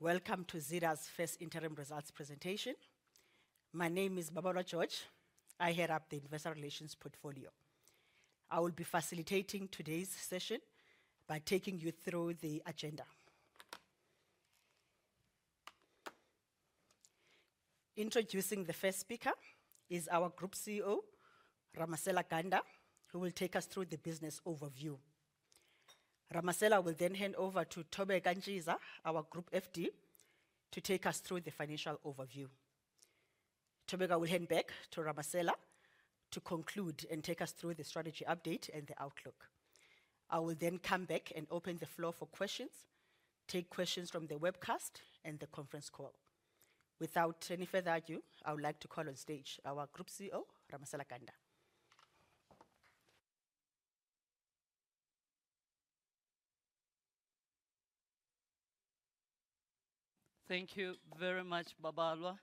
Welcome to Zeda's first interim results presentation. My name is Babalwa George. I head up the Investor Relations portfolio. I will be facilitating today's session by taking you through the agenda. Introducing the first speaker is our Group CEO, Ramasela Ganda, who will take us through the business overview. Ramasela will then hand over to Thobeka Ntshiza, our Group FD, to take us through the financial overview. Thobeka will hand back to Ramasela to conclude and take us through the strategy update and the outlook. I will then come back and open the floor for questions, take questions from the webcast and the conference call. Without any further ado, I would like to call on stage our Group CEO, Ramasela Ganda. Thank you very much Babalwa,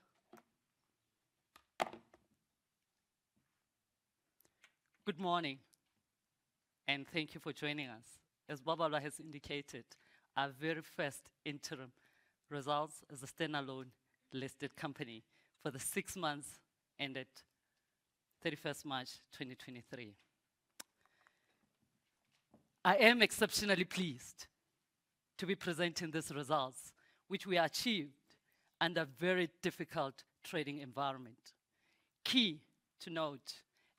Good morning, and thank you for joining us. As Babalwa has indicated, our very 1st interim results as a standalone listed company for the six months ended 31st March 2023. I am exceptionally pleased to be presenting these results, which we achieved under a very difficult trading environment. Key to note,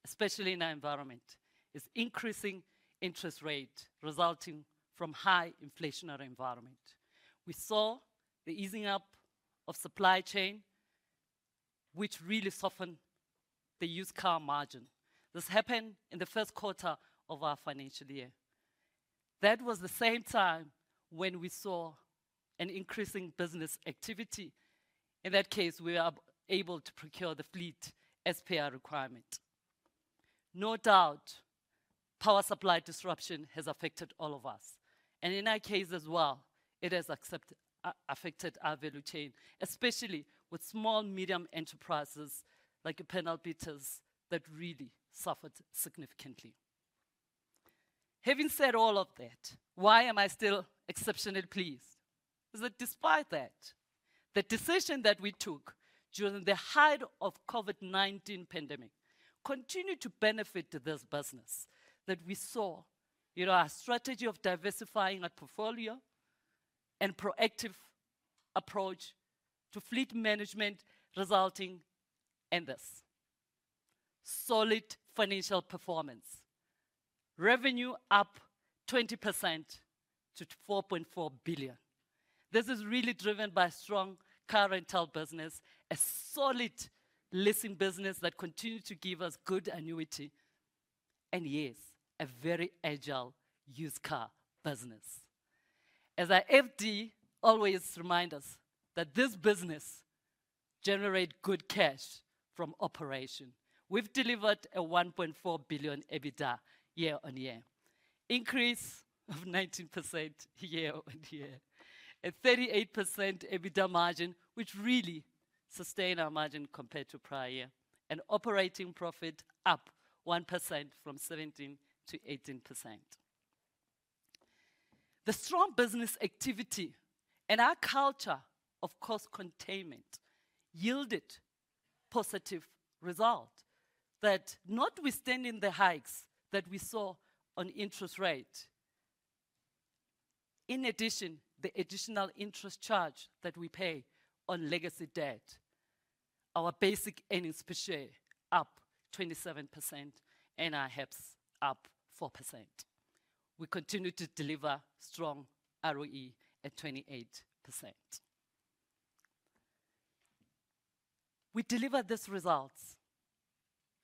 especially in our environment, is increasing interest rate resulting from high inflationary environment. We saw the easing up of supply chain, which really softened the used car margin. This happened in the 1st quarter of our financial year. That was the same time when we saw an increasing business activity. In that case, we are able to procure the fleet as per our requirement. No doubt, power supply disruption has affected all of us, and in our case as well, it has affected our value chain, especially with small, medium enterprises like panel beaters that really suffered significantly. Having said all of that, why am I still exceptionally pleased? Is that despite that, the decision that we took during the height of COVID-19 pandemic continued to benefit this business. We saw, you know, our strategy of diversifying our portfolio and proactive approach to fleet management resulting in this: solid financial performance. Revenue up 20% to 4.4 billion. This is really driven by strong car rental business, a solid leasing business that continued to give us good annuity, and yes, a very agile used car business. As our FD always remind us, that this business generate good cash from operation. We've delivered a 1.4 billion EBITDA year-over-year, increase of 19% year-over-year, a 38% EBITDA margin, which really sustained our margin compared to prior, and operating profit up 1% from 17%-18%. The strong business activity and our culture of cost containment yielded positive result that notwithstanding the hikes that we saw on interest rate, in addition, the additional interest charge that we pay on legacy debt, our basic earnings per share up 27% and our HEPS up 4%. We continue to deliver strong ROE at 28%. We delivered these results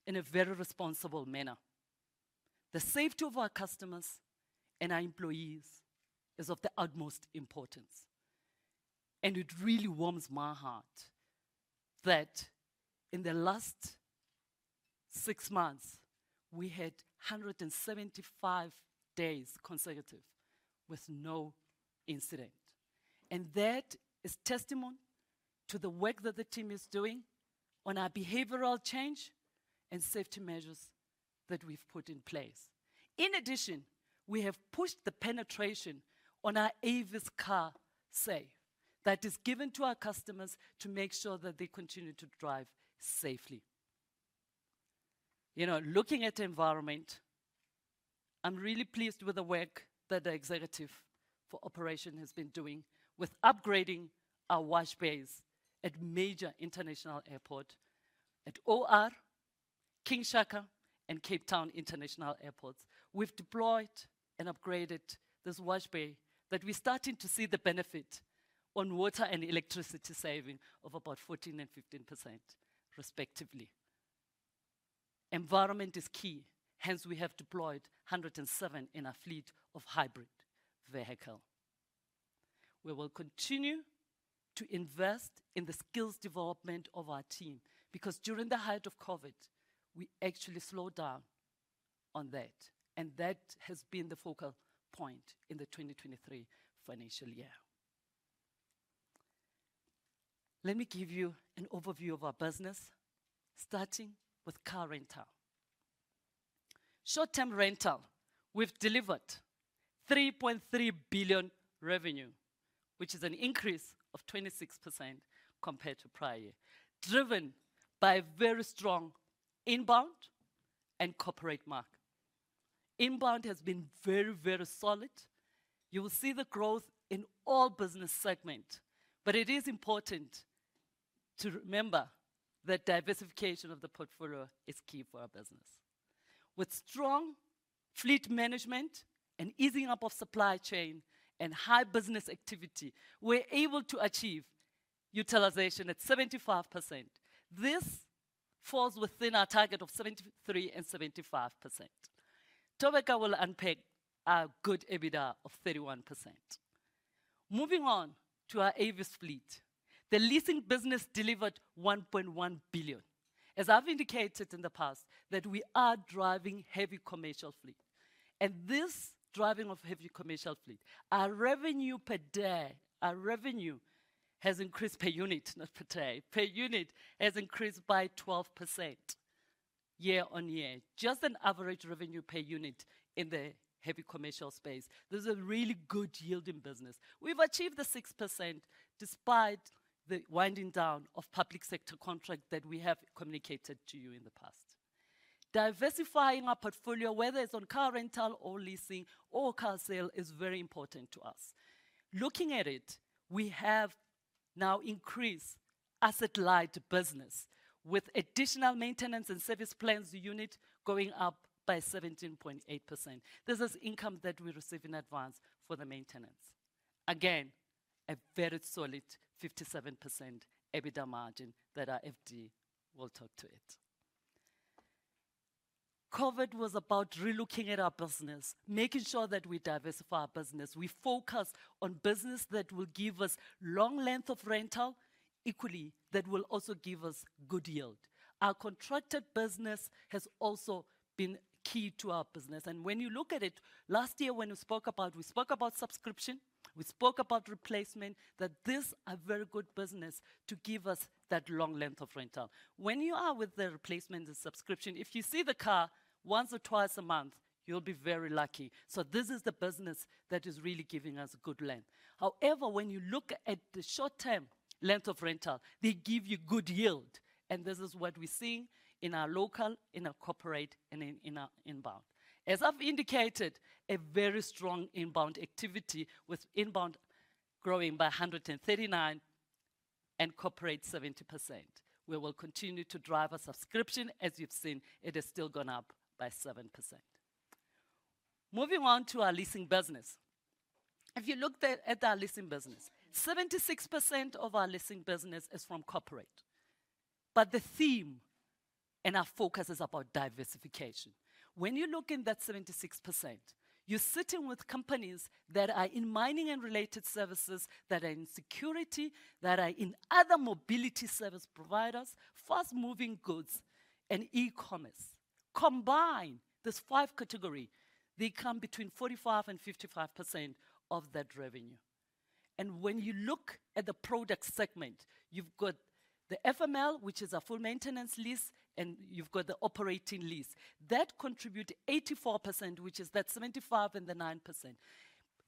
in a very responsible manner. The safety of our customers and our employees is of the utmost importance, and it really warms my heart that in the last six months, we had 175 days consecutive with no incident. That is testimony to the work that the team is doing on our behavioral change and safety measures that we've put in place. In addition, we have pushed the penetration on our Avis Car Save that is given to our customers to make sure that they continue to drive safely. You know, looking at the environment, I'm really pleased with the work that the executive for operation has been doing with upgrading our wash bays at major international airport, at OR, King Shaka, and Cape Town International Airports. We've deployed and upgraded this wash bay that we're starting to see the benefit on water and electricity saving of about 14% and 15% respectively. Environment is key, hence we have deployed 107 in our fleet of hybrid vehicle. We will continue to invest in the skills development of our team, because during the height of COVID, we actually slowed down on that, and that has been the focal point in the 2023 financial year. Let me give you an overview of our business, starting with car rental. Short-term rental, we've delivered 3.3 billion revenue, which is an increase of 26% compared to prior year, driven by very strong Inbound and corporate market. Inbound has been very, very solid. You will see the growth in all business segment, it is important to remember that diversification of the portfolio is key for our business. With strong fleet management and easing up of supply chain and high business activity, we're able to achieve utilization at 75%. This falls within our target of 73% and 75%. Thobeka will unpack our good EBITDA of 31%. Moving on to our Avis Fleet. The leasing business delivered 1.1 billion. As I've indicated in the past, that we are driving heavy commercial fleet, and this driving of heavy commercial fleet, our revenue has increased per unit, not per day. Per unit, has increased by 12% year-on-year, just an average revenue per unit in the Heavy Commercial space. This is a really good yielding business. We've achieved the 6% despite the winding down of public sector contract that we have communicated to you in the past. Diversifying our portfolio, whether it's on car rental or leasing or car sale, is very important to us. Looking at it, we have now increased asset-light business with additional maintenance and service plans unit going up by 17.8%. This is income that we receive in advance for the maintenance. Again, a very solid 57% EBITDA margin that our FD will talk to it. COVID was about relooking at our business, making sure that we diversify our business. We focus on business that will give us long length of rental, equally, that will also give us good yield. Our contracted business has also been key to our business. When you look at it, last year when we spoke about subscription, we spoke about replacement, that this a very good business to give us that long length of rental. When you are with the replacement and subscription, if you see the car once or twice a month, you'll be very lucky. This is the business that is really giving us good length. When you look at the short-term length of rental, they give you good yield, and this is what we're seeing in our local, in our corporate, and in our Inbound. As I've indicated, a very strong inbound activity, with inbound growing by 139% and corporate, 70%. We will continue to drive our subscription. As you've seen, it has still gone up by 7%. Moving on to our leasing business. If you look at our leasing business, 76% of our leasing business is from corporate, the theme and our focus is about diversification. When you look in that 76%, you're sitting with companies that are in mining and related services, that are in security, that are in other mobility service providers, fast-moving goods, and e-commerce. Combine this 5 category, they come between 45% and 55% of that revenue. When you look at the product segment, you've got the FML, which is a Full Maintenance Lease, and you've got the operating lease. That contribute 84%, which is that 75 and the 9%.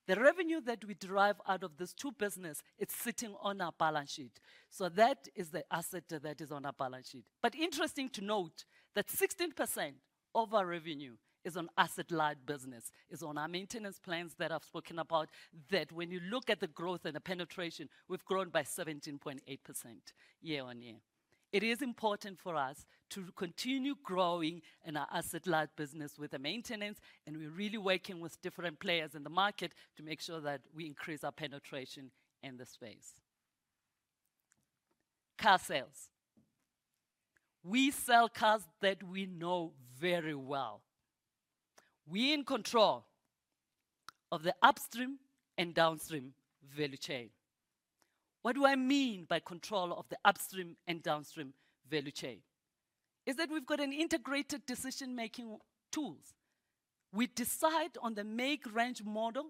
The revenue that we derive out of these two business, it's sitting on our balance sheet, so that is the asset that is on our balance sheet. Interesting to note that 16% of our revenue is on Asset-Light business, is on our maintenance plans that I've spoken about, that when you look at the growth and the penetration, we've grown by 17.8% year-on-year. It is important for us to continue growing in our Asset-Light business with the maintenance, and we're really working with different players in the market to make sure that we increase our penetration in the space. Car sales. We sell cars that we know very well. We're in control of the upstream and downstream value chain. What do I mean by control of the upstream and downstream value chain? Is that we've got an integrated decision-making tools. We decide on the make, range, model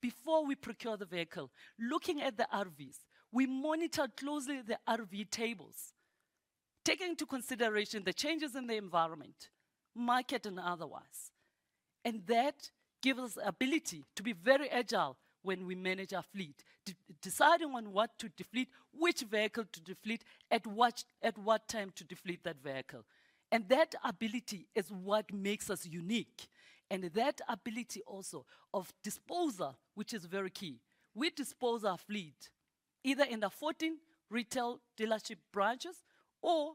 before we procure the vehicle. Looking at the RVs, we monitor closely the RV tables, take into consideration the changes in the environment, market, and otherwise. That gives us ability to be very agile when we manage our fleet. deciding on what to defleet, which vehicle to defleet, at what time to defleet that vehicle. That ability is what makes us unique, and that ability also of disposal, which is very key. We dispose our fleet either in the 14 retail dealership branches or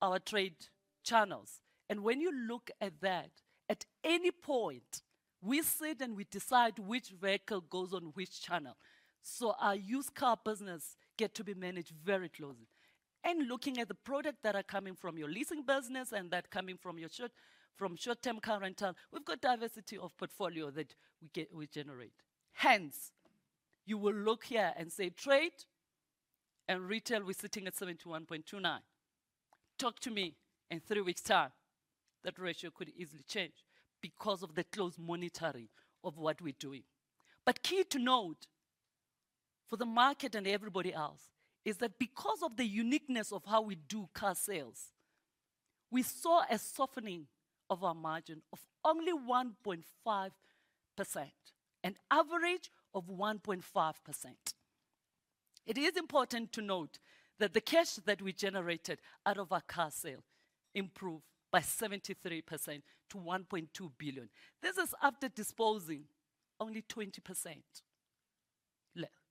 our trade channels. When you look at that, at any point, we sit and we decide which vehicle goes on which channel. Our used car business get to be managed very closely. Looking at the product that are coming from your leasing business and that coming from your from short-term car rental, we've got diversity of portfolio that we generate. Hence, you will look here and say trade and retail, we're sitting at 71.29. Talk to me in 3 weeks' time, that ratio could easily change because of the close monitoring of what we're doing. Key to note, for the market and everybody else is that because of the uniqueness of how we do car sales, we saw a softening of our margin of only 1.5%, an average of 1.5%. It is important to note that the cash that we generated out of our car sale improved by 73% to 1.2 billion. This is after disposing only 20%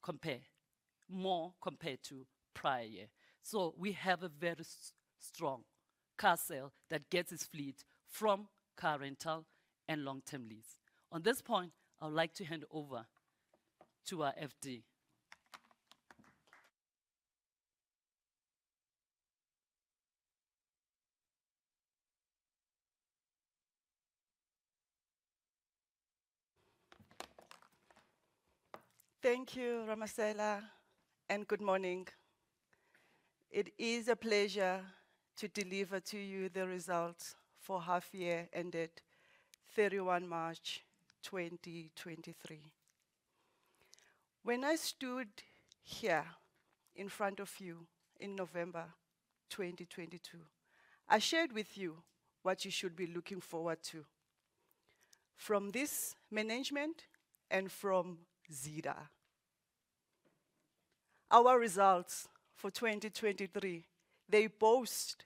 compare, more compared to prior year. We have a very strong car sale that gets its fleet from car rental and long-term lease. On this point, I would like to hand over to our FD. Thank you Ramasela, and good morning. It is a pleasure to deliver to you the results for half year ended 31 March, 2023. When I stood here in front of you in November 2022, I shared with you what you should be looking forward to from this management and from Zeda. Our results for 2023, they boast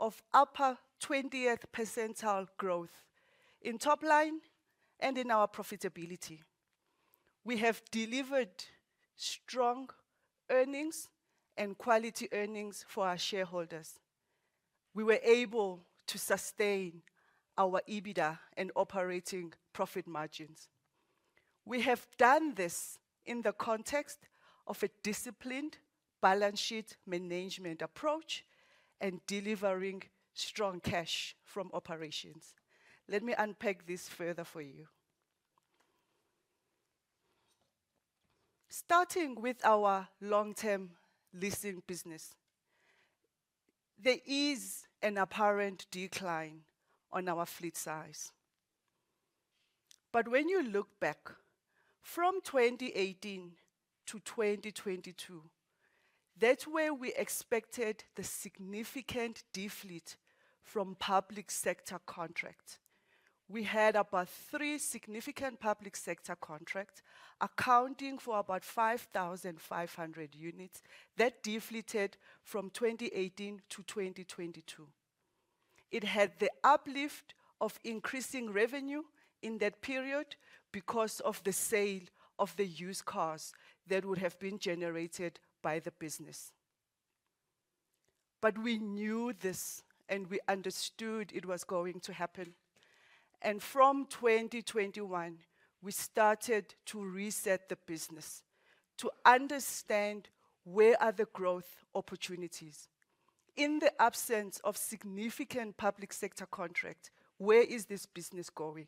of upper 20th percentile growth in top line and in our profitability. We have delivered strong earnings and quality earnings for our shareholders. We were able to sustain our EBITDA and operating profit margins. We have done this in the context of a disciplined balance sheet management approach and delivering strong cash from operations. Let me unpack this further for you. Starting with our long-term leasing business, there is an apparent decline on our fleet size. When you look back from 2018 to 2022, that's where we expected the significant defleet from public sector contracts. We had about three significant public sector contracts, accounting for about 5,500 units that defleeted from 2018 to 2022. It had the uplift of increasing revenue in that period because of the sale of the used cars that would have been generated by the business. We knew this, and we understood it was going to happen. From 2021, we started to reset the business to understand where are the growth opportunities. In the absence of significant public sector contract, where is this business going?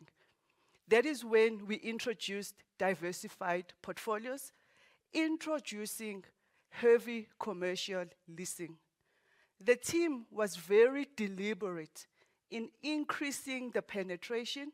That is when we introduced diversified portfolios, introducing Heavy Commercial leasing. The team was very deliberate in increasing the penetration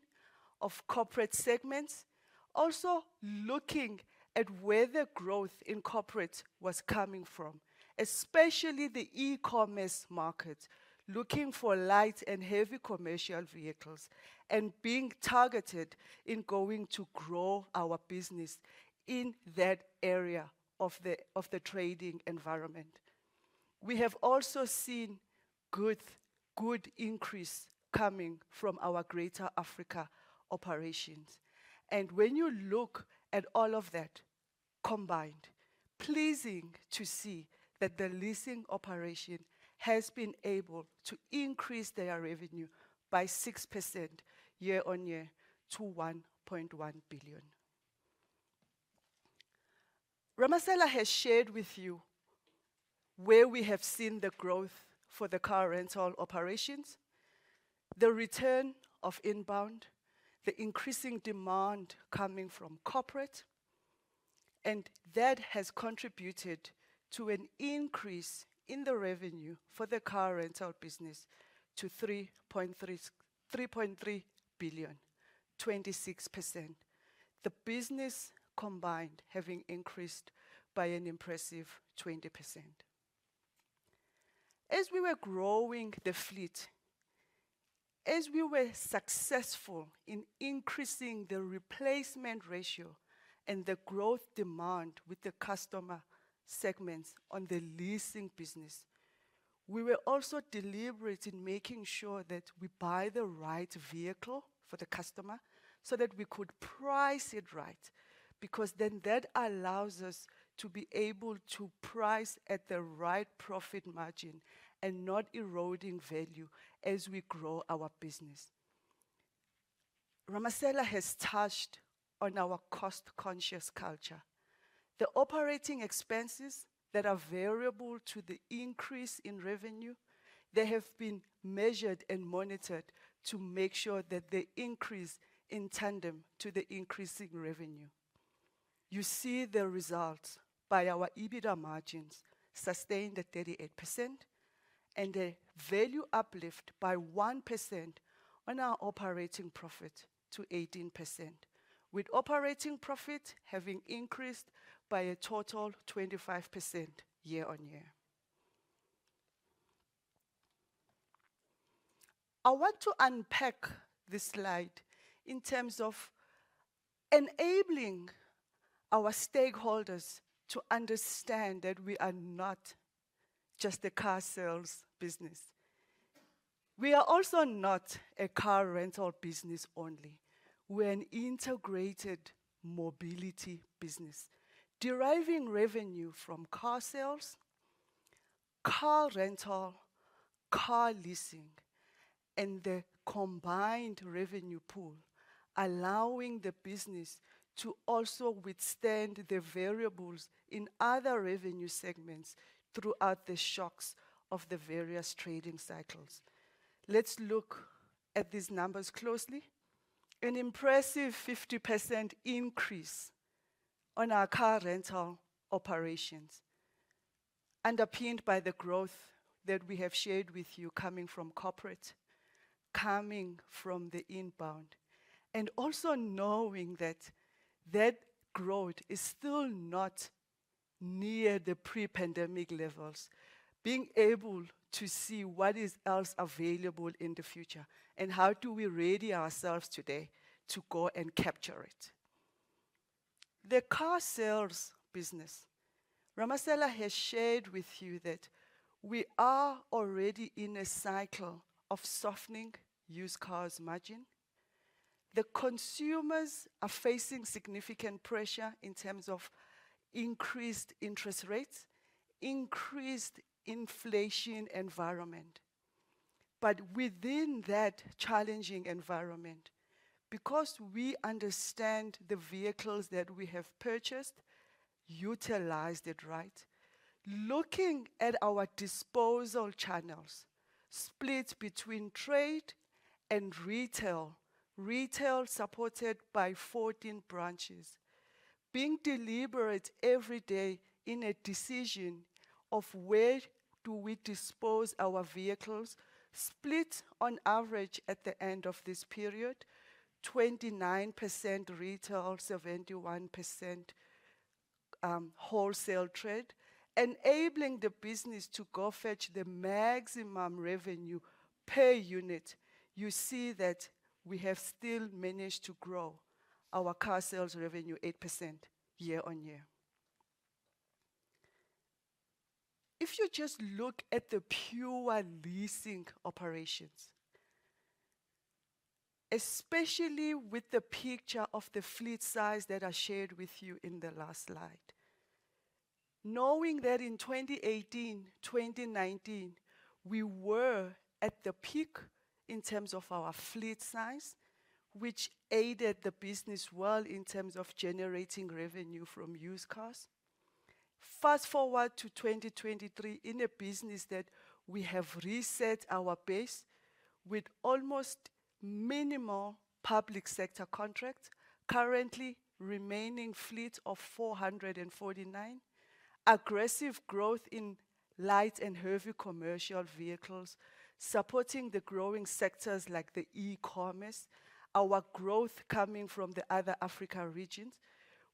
of corporate segments, also looking at where the growth in corporate was coming from, especially the e-commerce market, looking for light and heavy commercial vehicles, and being targeted in going to grow our business in that area of the trading environment. We have also seen good increase coming from our Greater Africa operations. When you look at all of that combined, pleasing to see that the leasing operation has been able to increase their revenue by 6% year-on-year to ZAR 1.1 billion. Ramasela has shared with you where we have seen the growth for the car rental operations, the return of Inbound, the increasing demand coming from corporate, that has contributed to an increase in the revenue for the car rental business to 3.3 billion, 26%. The business combined having increased by an impressive 20%. As we were growing the fleet, as we were successful in increasing the replacement ratio and the growth demand with the customer segments on the leasing business, we were also deliberate in making sure that we buy the right vehicle for the customer so that we could price it right, that allows us to be able to price at the right profit margin and not eroding value as we grow our business. Ramasela has touched on our cost-conscious culture. The operating expenses that are variable to the increase in revenue, they have been measured and monitored to make sure that they increase in tandem to the increasing revenue. You see the results by our EBITDA margins sustained at 38% and the value uplift by 1% on our operating profit to 18%, with operating profit having increased by a total of 25% year-on-year. I want to unpack this slide in terms of enabling our stakeholders to understand that we are not just a car sales business. We are also not a car rental business only. We're an integrated mobility business, deriving revenue from car sales, car rental, car leasing, and the combined revenue pool, allowing the business to also withstand the variables in other revenue segments throughout the shocks of the various trading cycles. Let's look at these numbers closely. An impressive 50% increase on our car rental operations, underpinned by the growth that we have shared with you coming from corporate, coming from the Inbound, and also knowing that that growth is still not near the pre-pandemic levels. Being able to see what is else available in the future, and how do we ready ourselves today to go and capture it? The car sales business, Ramasela has shared with you that we are already in a cycle of softening used cars margin. The consumers are facing significant pressure in terms of increased interest rates, increased inflation environment. Within that challenging environment, because we understand the vehicles that we have purchased, utilize it right. Looking at our disposal channels, split between trade and retail supported by 14 branches, being deliberate every day in a decision of where do we dispose our vehicles, split on average at the end of this period, 29% retail, 71% wholesale trade, enabling the business to go fetch the maximum revenue per unit. You see that we have still managed to grow our car sales revenue 8% year-over-year. If you just look at the pure leasing operations, especially with the picture of the fleet size that I shared with you in the last slide, knowing that in 2018, 2019, we were at the peak in terms of our fleet size, which aided the business well in terms of generating revenue from used cars. Fast-forward to 2023, in a business that we have reset our base with almost minimal public sector contracts, currently remaining fleet of 449, aggressive growth in light and heavy commercial vehicles, supporting the growing sectors like the e-commerce, our growth coming from the other Africa regions,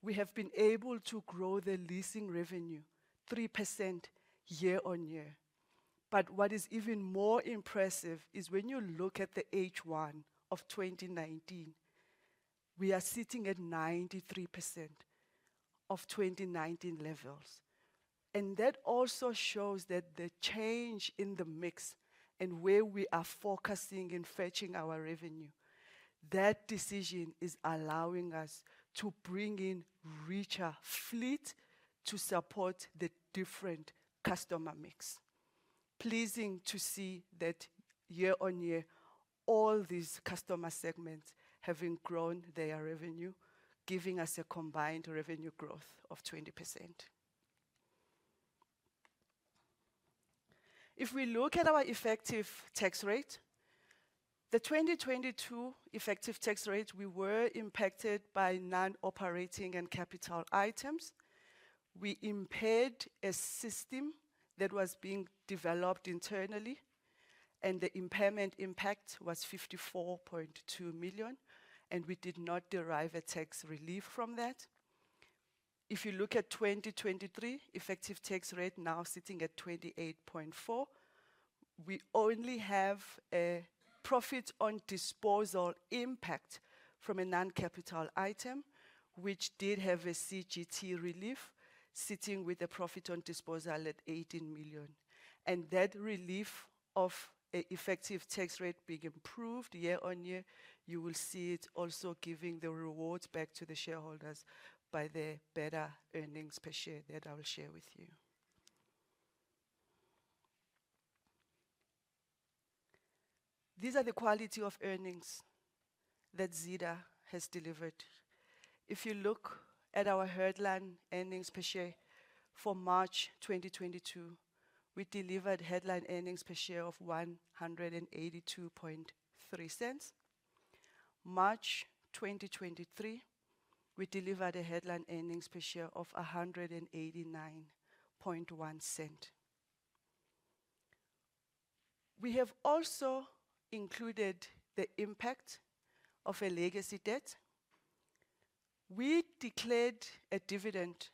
we have been able to grow the leasing revenue 3% year-on-year. What is even more impressive is when you look at the H1 of 2019, we are sitting at 93% of 2019 levels. That also shows that the change in the mix and where we are focusing in fetching our revenue, that decision is allowing us to bring in richer fleet to support the different customer mix. Pleasing to see that year-on-year, all these customer segments having grown their revenue, giving us a combined revenue growth of 20%. If we look at our effective tax rate, the 2022 effective tax rate, we were impacted by non-operating and capital items. We impaired a system that was being developed internally, and the impairment impact was 54.2 million, and we did not derive a tax relief from that. If you look at 2023, effective tax rate now sitting at 28.4%, we only have a profit on disposal impact from a non-capital item, which did have a CGT relief, sitting with a profit on disposal at 18 million. That relief of a effective tax rate being improved year-on-year, you will see it also giving the rewards back to the shareholders by the better earnings per share that I will share with you. These are the quality of earnings that Zeda has delivered. If you look at our Headline Earnings Per Share for March 2022, we delivered Headline Earnings Per Share of 1.823. March 2023, we delivered a Headline Earnings Per Share of 1.891. We have also included the impact of a legacy debt. We declared a dividend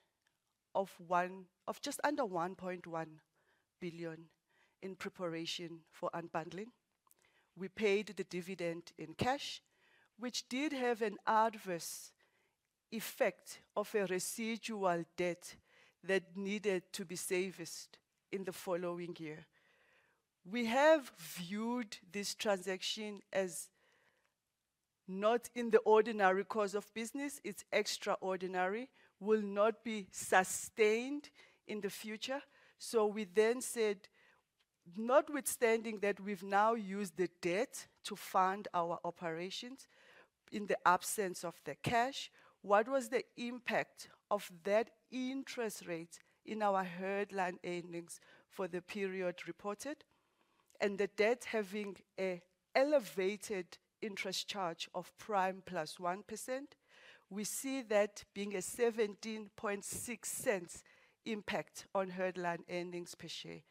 of just under 1.1 billion in preparation for Unbundling. We paid the dividend in cash, which did have an adverse effect of a residual debt that needed to be safest in the following year. We have viewed this transaction as not in the ordinary course of business, it's extraordinary, will not be sustained in the future. We then said, notwithstanding that, we've now used the debt to fund our operations. In the absence of the cash, what was the impact of that interest rate in our headline earnings for the period reported? The debt having a elevated interest charge of prime plus 1%, we see that being a 0.176 impact on headline earnings per share.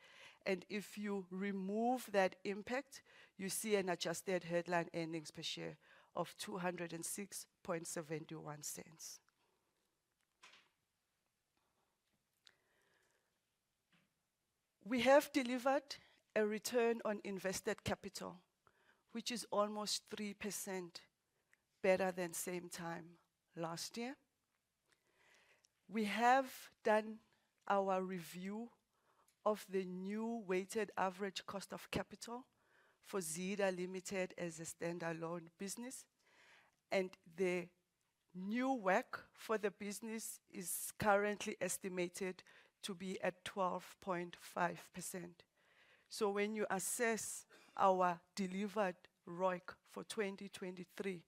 If you remove that impact, you see an adjusted headline earnings per share of 2.0671. We have delivered a return on invested capital, which is almost 3% better than same time last year. We have done our review of the new weighted average cost of capital for Zeda Limited as a standalone business, and the new WACC for the business is currently estimated to be at 12.5%. When you assess our delivered ROIC for 2023,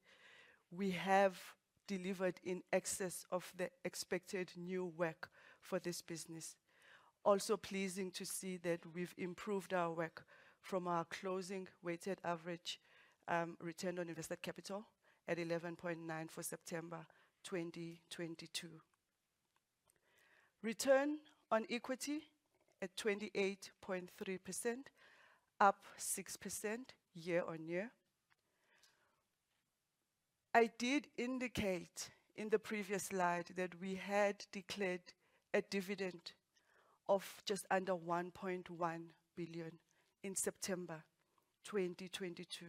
we have delivered in excess of the expected new WACC for this business. Also pleasing to see that we've improved our WACC from our closing weighted average return on invested capital at 11.9 for September 2022. Return on equity at 28.3%, up 6% year-on-year. I did indicate in the previous slide that we had declared a dividend of just under 1.1 billion in September 2022,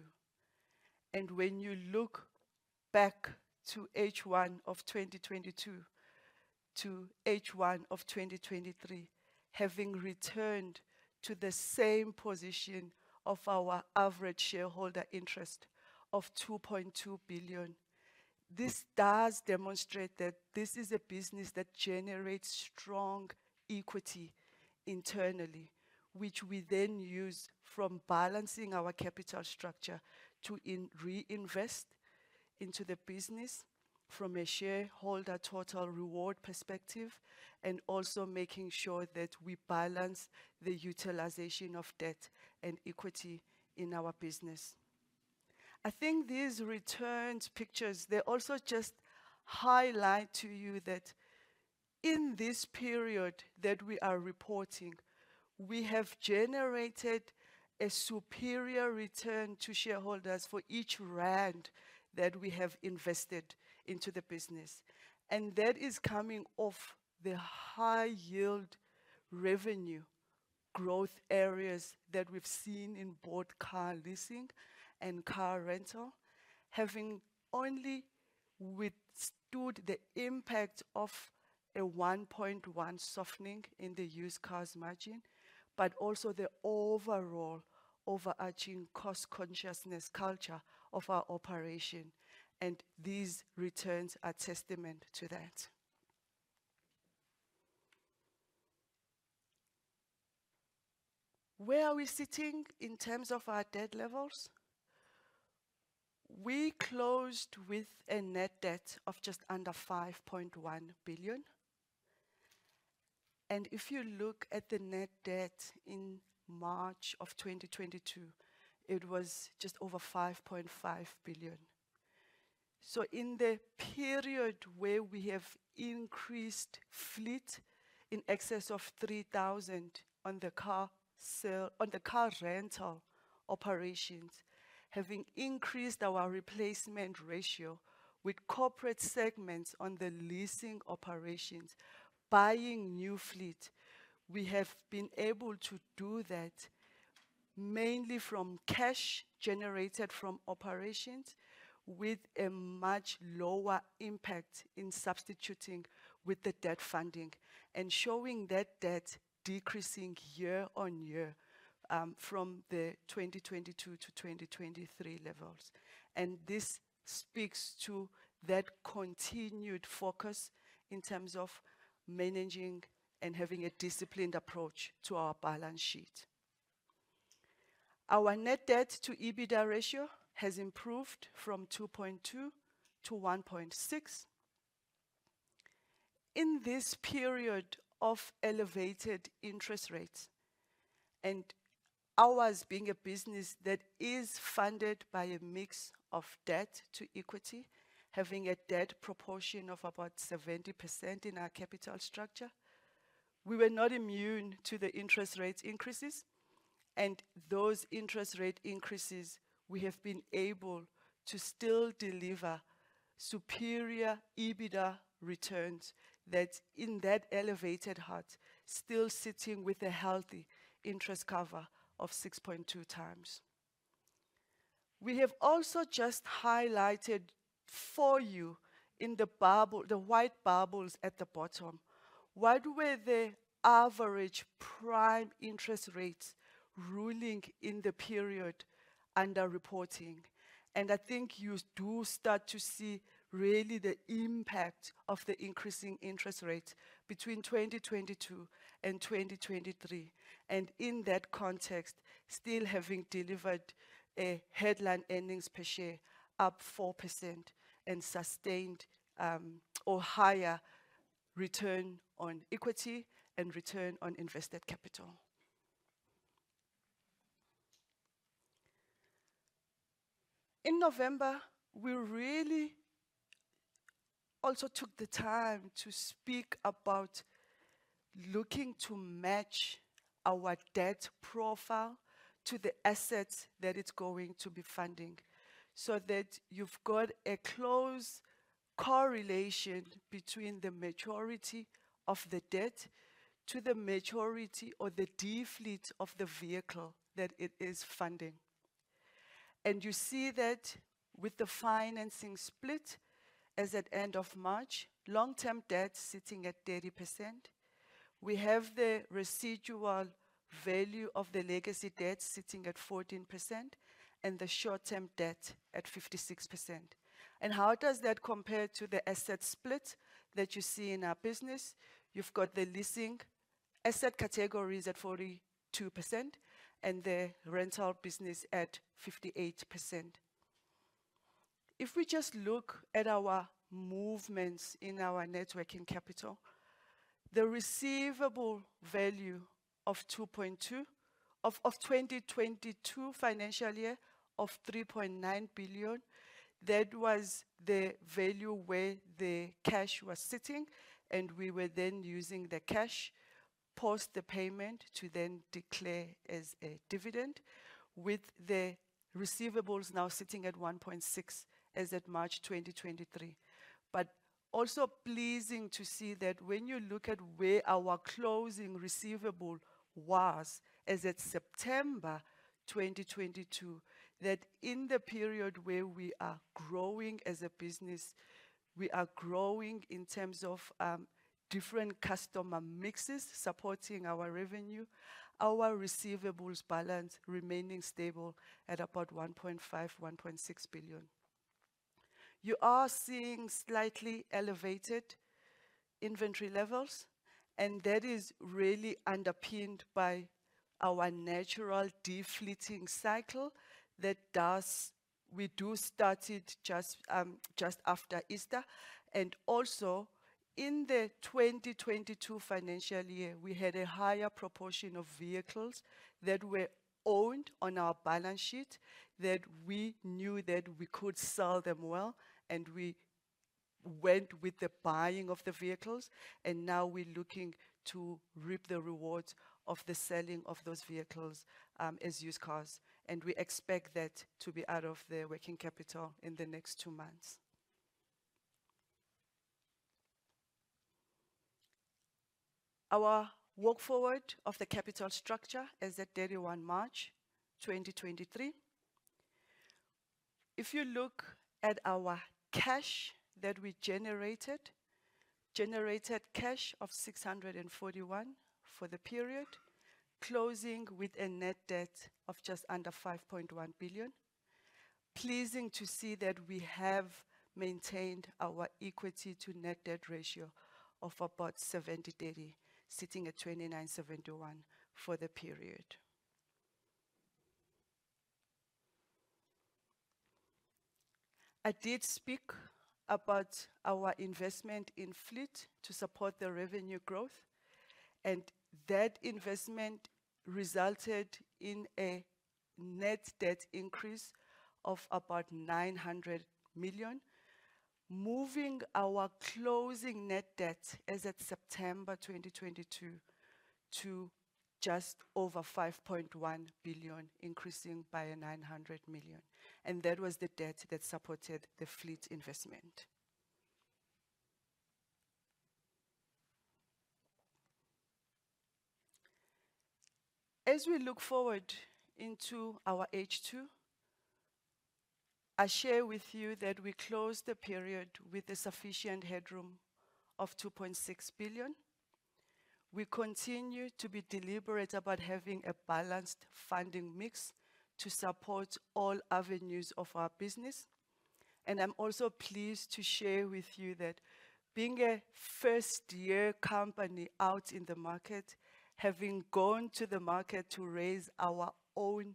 when you look back to H1 of 2022 to H1 of 2023, having returned to the same position of our average shareholder interest of 2.2 billion. This does demonstrate that this is a business that generates strong equity internally, which we then use from balancing our capital structure to reinvest into the business from a shareholder total reward perspective, and also making sure that we balance the utilization of debt and equity in our business. I think these returns pictures, they also just highlight to you that in this period that we are reporting, we have generated a superior return to shareholders for each rand that we have invested into the business. That is coming off the high yield revenue growth areas that we've seen in both car leasing and car rental, having only withstood the impact of a 1.1% softening in the used cars margin, but also the overall overarching cost consciousness culture of our operation, and these returns are testament to that. Where are we sitting in terms of our debt levels? We closed with a net debt of just under 5.1 billion. If you look at the net debt in March of 2022, it was just over 5.5 billion. In the period where we have increased fleet in excess of 3,000 on the car rental operations, having increased our replacement ratio with corporate segments on the leasing operations, buying new fleet, we have been able to do that mainly from cash generated from operations, with a much lower impact in substituting with the debt funding and showing that debt decreasing year-on-year from the 2022 to 2023 levels. This speaks to that continued focus in terms of managing and having a disciplined approach to our balance sheet. Our net debt to EBITDA ratio has improved from 2.2 to 1.6. In this period of elevated interest rates, and ours being a business that is funded by a mix of debt to equity, having a debt proportion of about 70% in our capital structure, we were not immune to the interest rates increases. Those interest rate increases, we have been able to still deliver superior EBITDA returns that in that elevated heart, still sitting with a healthy interest cover of 6.2 times. We have also just highlighted for you in the bubble, the white bubbles at the bottom, what were the average prime interest rates ruling in the period under reporting? I think you do start to see really the impact of the increasing interest rates between 2022 and 2023, in that context, still having delivered a headline earnings per share up 4% and sustained, or higher return on equity and return on invested capital. In November, we really also took the time to speak about looking to match our debt profile to the assets that it's going to be funding, so that you've got a close correlation between the maturity of the debt to the maturity or the defleet of the vehicle that it is funding. You see that with the financing split, as at end of March, long-term debt sitting at 30%. We have the residual value of the legacy debt sitting at 14% and the short-term debt at 56%. How does that compare to the asset split that you see in our business? You've got the leasing asset categories at 42% and the rental business at 58%. If we just look at our movements in our net working capital, the receivable value of 2022 financial year of 3.9 billion, that was the value where the cash was sitting, and we were then using the cash, post the payment, to then declare as a dividend, with the receivables now sitting at 1.6 as at March 2023. Also pleasing to see that when you look at where our closing receivable was, as at September 2022, that in the period where we are growing as a business, we are growing in terms of different Customer Mixes supporting our revenue, our receivables balance remaining stable at about 1.5 billion-1.6 billion. You are seeing slightly elevated inventory levels, and that is really underpinned by our natural Defleeting cycle that we do start it just after Easter. Also in the 2022 financial year, we had a higher proportion of vehicles that were owned on our balance sheet, that we knew that we could sell them well, and we went with the buying of the vehicles, and now we're looking to reap the rewards of the selling of those vehicles, as used cars. We expect that to be out of the working capital in the next two months. Our walk forward of the capital structure as at 31 March 2023. If you look at our cash that we generated cash of 641 million for the period, closing with a net debt of just under 5.1 billion. Pleasing to see that we have maintained our equity to net debt ratio of about 70/30, sitting at 29/71 for the period. I did speak about our investment in fleet to support the revenue growth. That investment resulted in a net debt increase of about 900 million, moving our closing net debt as at September 2022 to just over 5.1 billion, increasing by a 900 million. That was the debt that supported the fleet investment. As we look forward into our H2, I share with you that we closed the period with a sufficient headroom of 2.6 billion. We continue to be deliberate about having a balanced funding mix to support all avenues of our business. I'm also pleased to share with you that being a first-year company out in the market, having gone to the market to raise our own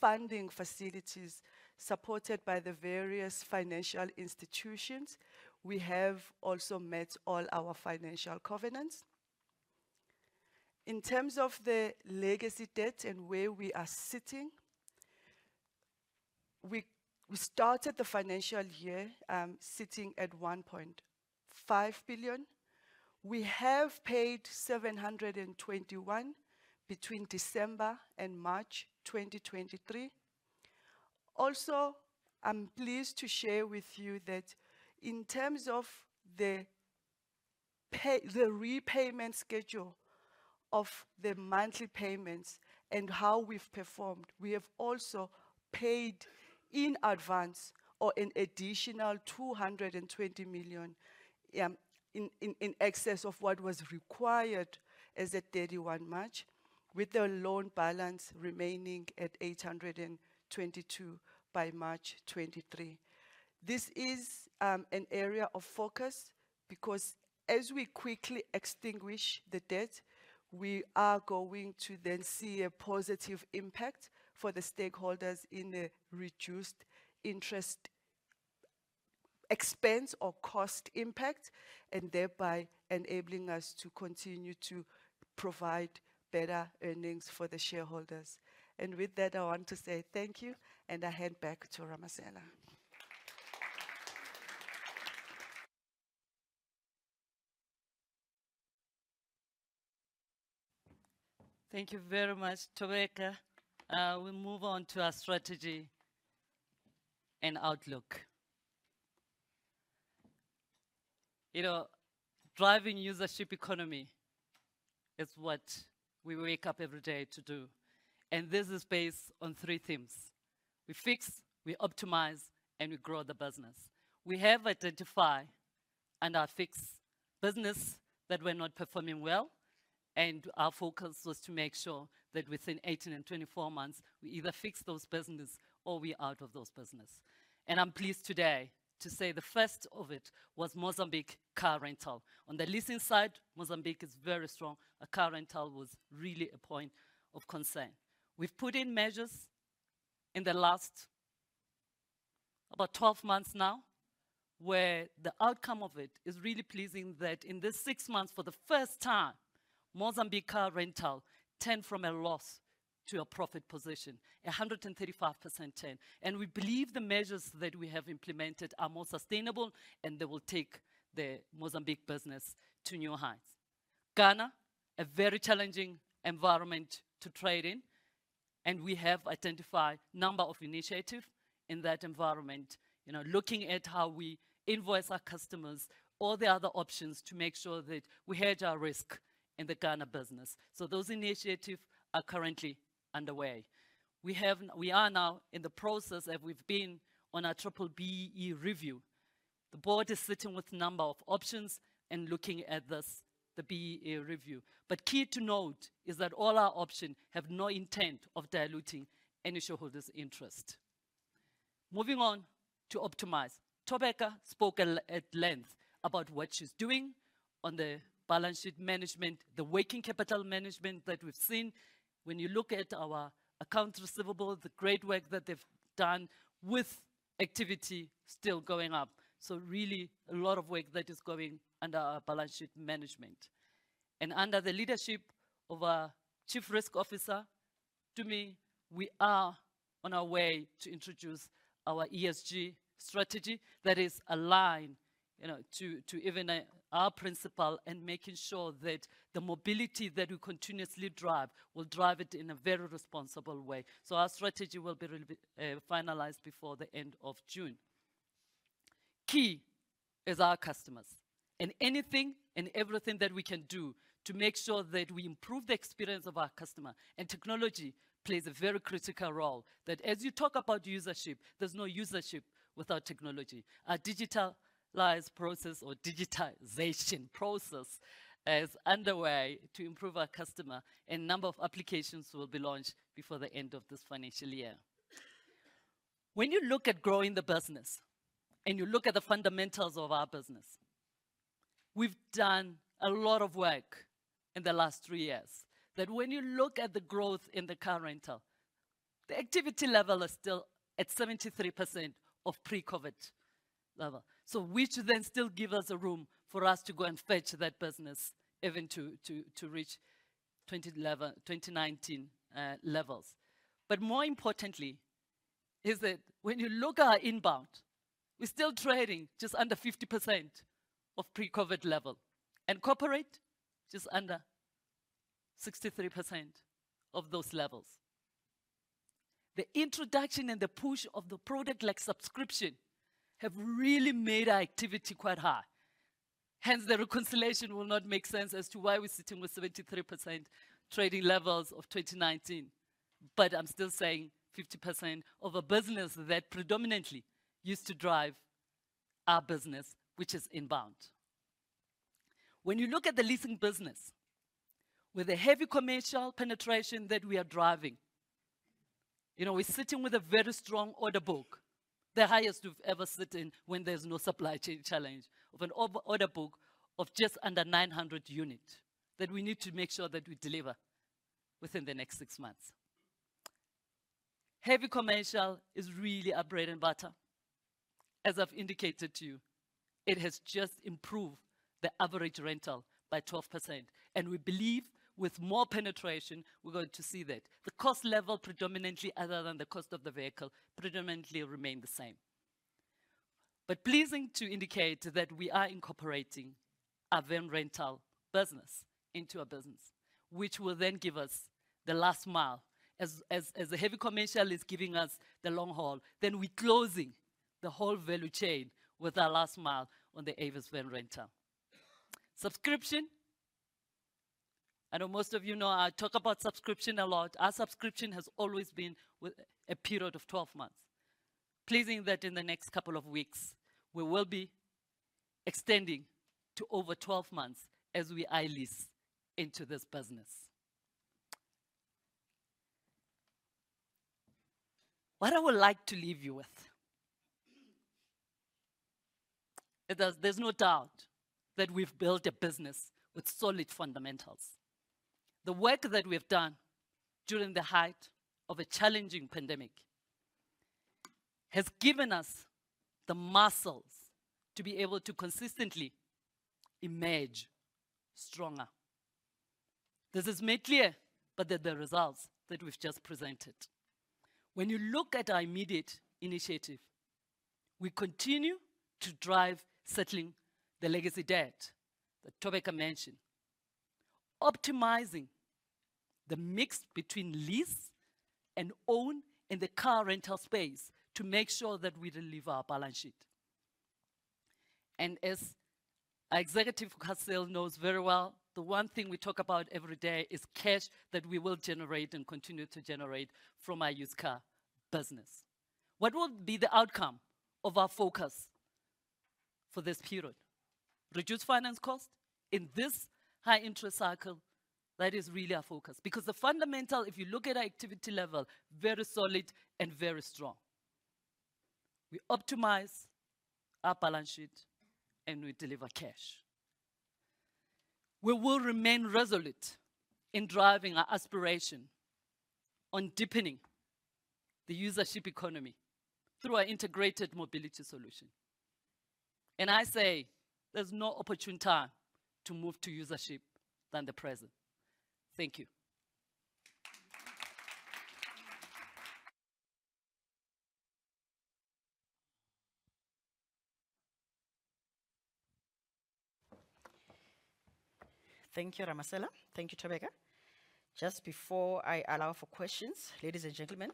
funding facilities, supported by the various financial institutions, we have also met all our financial covenants. In terms of the legacy debt and where we are sitting, we started the financial year, sitting at 1.5 billion. We have paid 721 million between December and March 2023. I'm pleased to share with you that in terms of the repayment schedule of the monthly payments and how we've performed, we have also paid in advance or an additional 220 million in excess of what was required as at 31 March, with the loan balance remaining at 822 million by March 2023. This is an area of focus because as we quickly extinguish the debt, we are going to then see a positive impact for the stakeholders in a reduced interest expense or cost impact, and thereby enabling us to continue to provide better earnings for the shareholders. With that, I want to say thank you, and I hand back to Ramasela. Thank you very much, Thobeka. We move on to our strategy and outlook. You know, driving Usership Economy is what we wake up every day to do. This is based on three themes: we fix, we optimize, and we grow the business. We have identified and are fix business that were not performing well. Our focus was to make sure that within 18 and 24 months, we either fix those businesses or we are out of those business. I'm pleased today to say the first of it was Mozambique car rental. On the leasing side, Mozambique is very strong. Car rental was really a point of concern. We've put in measures in the last about 12 months now, where the outcome of it is really pleasing, that in this six months, for the first time, Mozambique car rental turned from a loss to a profit position, a 135% turn. We believe the measures that we have implemented are more sustainable, and they will take the Mozambique business to new heights. Ghana, a very challenging environment to trade in, and we have identified number of initiative in that environment. You know, looking at how we invoice our customers, all the other options to make sure that we hedge our risk in the Ghana business. Those initiatives are currently underway. We are now in the process, and we've been on our B-BBEE review. The board is sitting with a number of options and looking at this, the B-BBEE review. Key to note is that all our options have no intent of diluting any shareholder's interest. Moving on to optimize. Thobeka spoke at length about what she's doing on the balance sheet management, the working capital management that we've seen. When you look at our accounts receivable, the great work that they've done with activity still going up. Really, a lot of work that is going under our balance sheet management. Under the leadership of our Chief Risk Officer, Tumi, we are on our way to introduce our ESG strategy that is aligned, you know, to even our principle and making sure that the mobility that we continuously drive will drive it in a very responsible way. Our strategy will be finalized before the end of June. Key is our customers, and anything and everything that we can do to make sure that we improve the experience of our customer, and technology plays a very critical role. As you talk about usership, there's no usership without technology. Our digitalized process or digitization process is underway to improve our customer, and number of applications will be launched before the end of this financial year. When you look at growing the business, and you look at the fundamentals of our business, we've done a lot of work in the last 3 years, that when you look at the growth in the car rental, the activity level is still at 73% of pre-COVID level. Which then still give us a room for us to go and fetch that business, even to reach 2019 levels. More importantly, is that when you look our Inbound, we're still trading just under 50% of pre-COVID level, and corporate, just under 63% of those levels. The introduction and the push of the product like subscription, have really made our activity quite high. The reconciliation will not make sense as to why we're sitting with 73% trading levels of 2019, but I'm still saying 50% of a business that predominantly used to drive our business, which is Inbound. You look at the leasing business, with the Heavy Commercial penetration that we are driving, you know, we're sitting with a very strong order book, the highest we've ever sit in when there's no supply chain challenge. Of an over order book of just under 900 units, that we need to make sure that we deliver within the next six months. Heavy Commercial is really our bread and butter. As I've indicated to you, it has just improved the average rental by 12%, and we believe with more penetration, we're going to see that. The cost level predominantly, other than the cost of the vehicle, predominantly remain the same. Pleasing to indicate that we are incorporating our Avis Van Rental business into our business, which will then give us the last mile. As the Heavy Commercial is giving us the long haul, then we closing the whole value chain with our last mile on the Avis Van Rental. Subscription, I know most of you know I talk about subscription a lot. Our subscription has always been with a period of 12 months. Pleasing that in the next couple of weeks, we will be extending to over 12 months as we eye lease into this business. What I would like to leave you with, there's no doubt that we've built a business with solid fundamentals. The work that we've done during the height of a challenging pandemic, has given us the muscles to be able to consistently emerge stronger. This is made clear by the results that we've just presented. When you look at our immediate initiative, we continue to drive settling the legacy debt that Thobeka mentioned. Optimizing the mix between lease and own in the car rental space, to make sure that we de-leverage our balance sheet. As our Executive car sale knows very well, the one thing we talk about every day is cash that we will generate and continue to generate from our used car business. What will be the outcome of our focus for this period? Reduced finance cost. In this high interest cycle, that is really our focus, because the fundamental, if you look at our activity level, very solid and very strong. We optimize our balance sheet, and we deliver cash. We will remain resolute in driving our aspiration on deepening the Usership Economy through our integrated mobility solution, and I say, there's no opportune time to move to usership than the present. Thank you. Thank you, Ramasela. Thank you, Thobeka. Just before I allow for questions, ladies and gentlemen,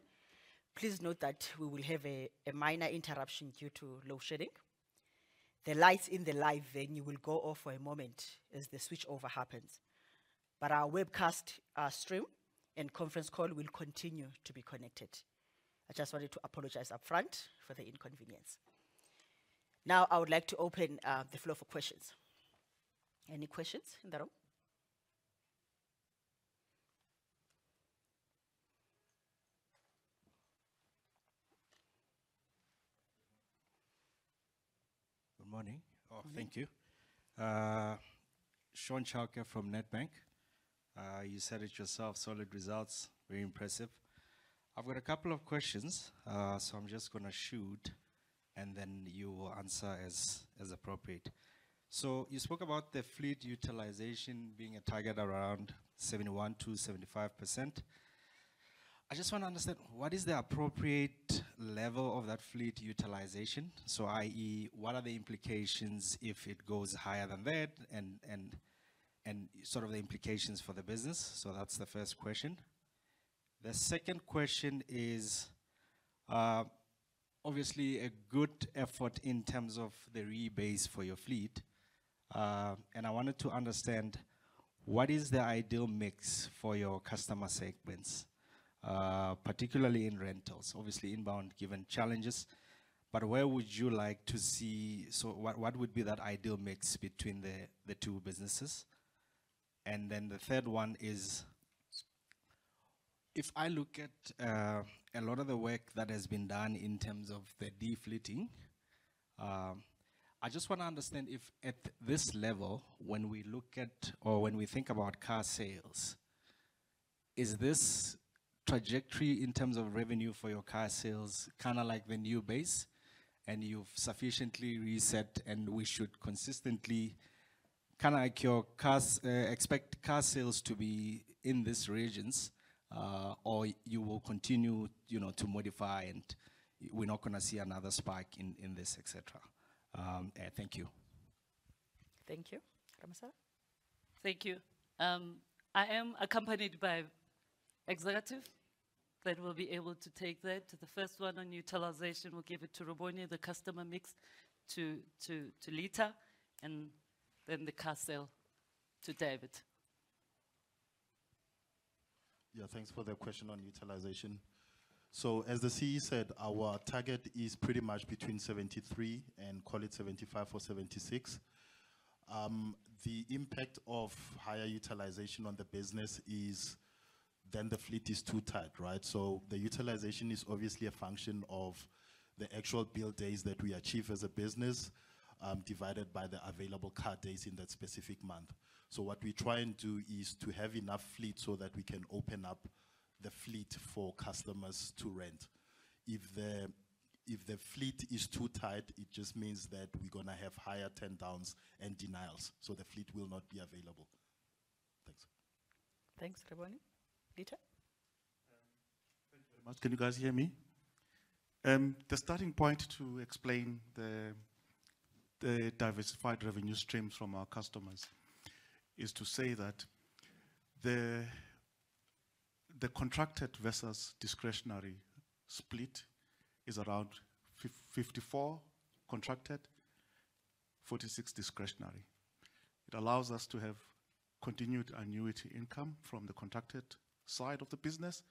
please note that we will have a minor interruption due to load shedding. The lights in the live venue will go off for a moment as the switch over happens, but our webcast, our stream, and conference call will continue to be connected. I just wanted to apologize upfront for the inconvenience. I would like to open the floor for questions. Any questions in the room? Good morning or thank you. Shaun Chauke from Nedbank. You said it yourself, solid results, very impressive. I've got a couple of questions, so I'm just gonna shoot and then you will answer as appropriate. You spoke about the fleet utilization being a target around 71%-75%. I just want to understand, what is the appropriate level of that fleet utilization? I.e., what are the implications if it goes higher than that, and sort of the implications for the business? That's the first question. The second question is, obviously, a good effort in terms of the rebase for your fleet, and I wanted to understand what is the ideal mix for your customer segments, particularly in rentals? Obviously, Inbound given challenges, but where would you like to see... What would be that ideal mix between the two businesses? The third one is, if I look at a lot of the work that has been done in terms of the de-fleeting, I just want to understand if at this level, when we look at or when we think about car sales, is this trajectory in terms of revenue for your car sales, kind of like the new base and you've sufficiently reset and we should consistently, kinda like your cars, expect car sales to be in these regions, or you will continue, you know, to modify and we're not gonna see another spike in this, et cetera? Thank you. Thank you. Ramasela? Thank you. I am accompanied by executive that will be able to take that. The first one on utilization, we'll give it to Kebonye, the Customer Mix to Litha, and then the car sale to David. Thanks for the question on utilization. As the CE said, our target is pretty much between 73% and call it 75% or 76%. The impact of higher utilization on the business is then the fleet is too tight, right? The utilization is obviously a function of the actual bill days that we achieve as a business, divided by the available car days in that specific month. What we're trying to do is to have enough fleet so that we can open up the fleet for customers to rent. If the fleet is too tight, it just means that we're gonna have higher tear downs and denials, so the fleet will not be available. Thanks. Thanks, Kebonye. Litha? Thank you very much. Can you guys hear me? The starting point to explain the diversified revenue streams from our customers is to say that the contracted versus discretionary split is around 54 contracted, 46% discretionary. It allows us to have continued annuity income from the contracted side of the business.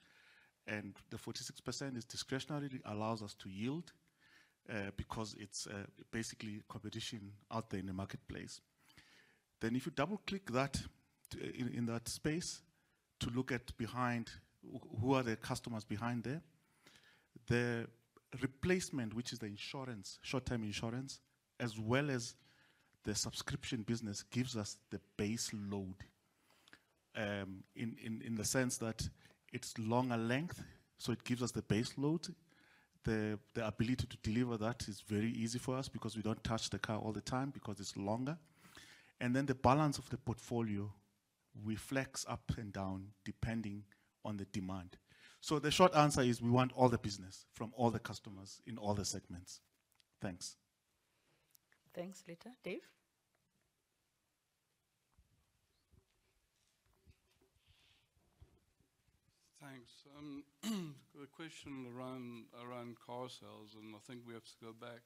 The 46% is discretionary, allows us to yield, because it's basically competition out there in the marketplace. If you double-click that in that space to look at behind. Who are the customers behind there? The replacement, which is the insurance, short-term insurance, as well as the subscription business, gives us the base load, in the sense that it's longer length, so it gives us the base load. The ability to deliver that is very easy for us because we don't touch the car all the time because it's longer, the balance of the portfolio, we flex up and down, depending on the demand. The short answer is we want all the business from all the customers in all the segments. Thanks. Thanks, Litha. Dave? Thanks. I've got a question around car sales, I think we have to go back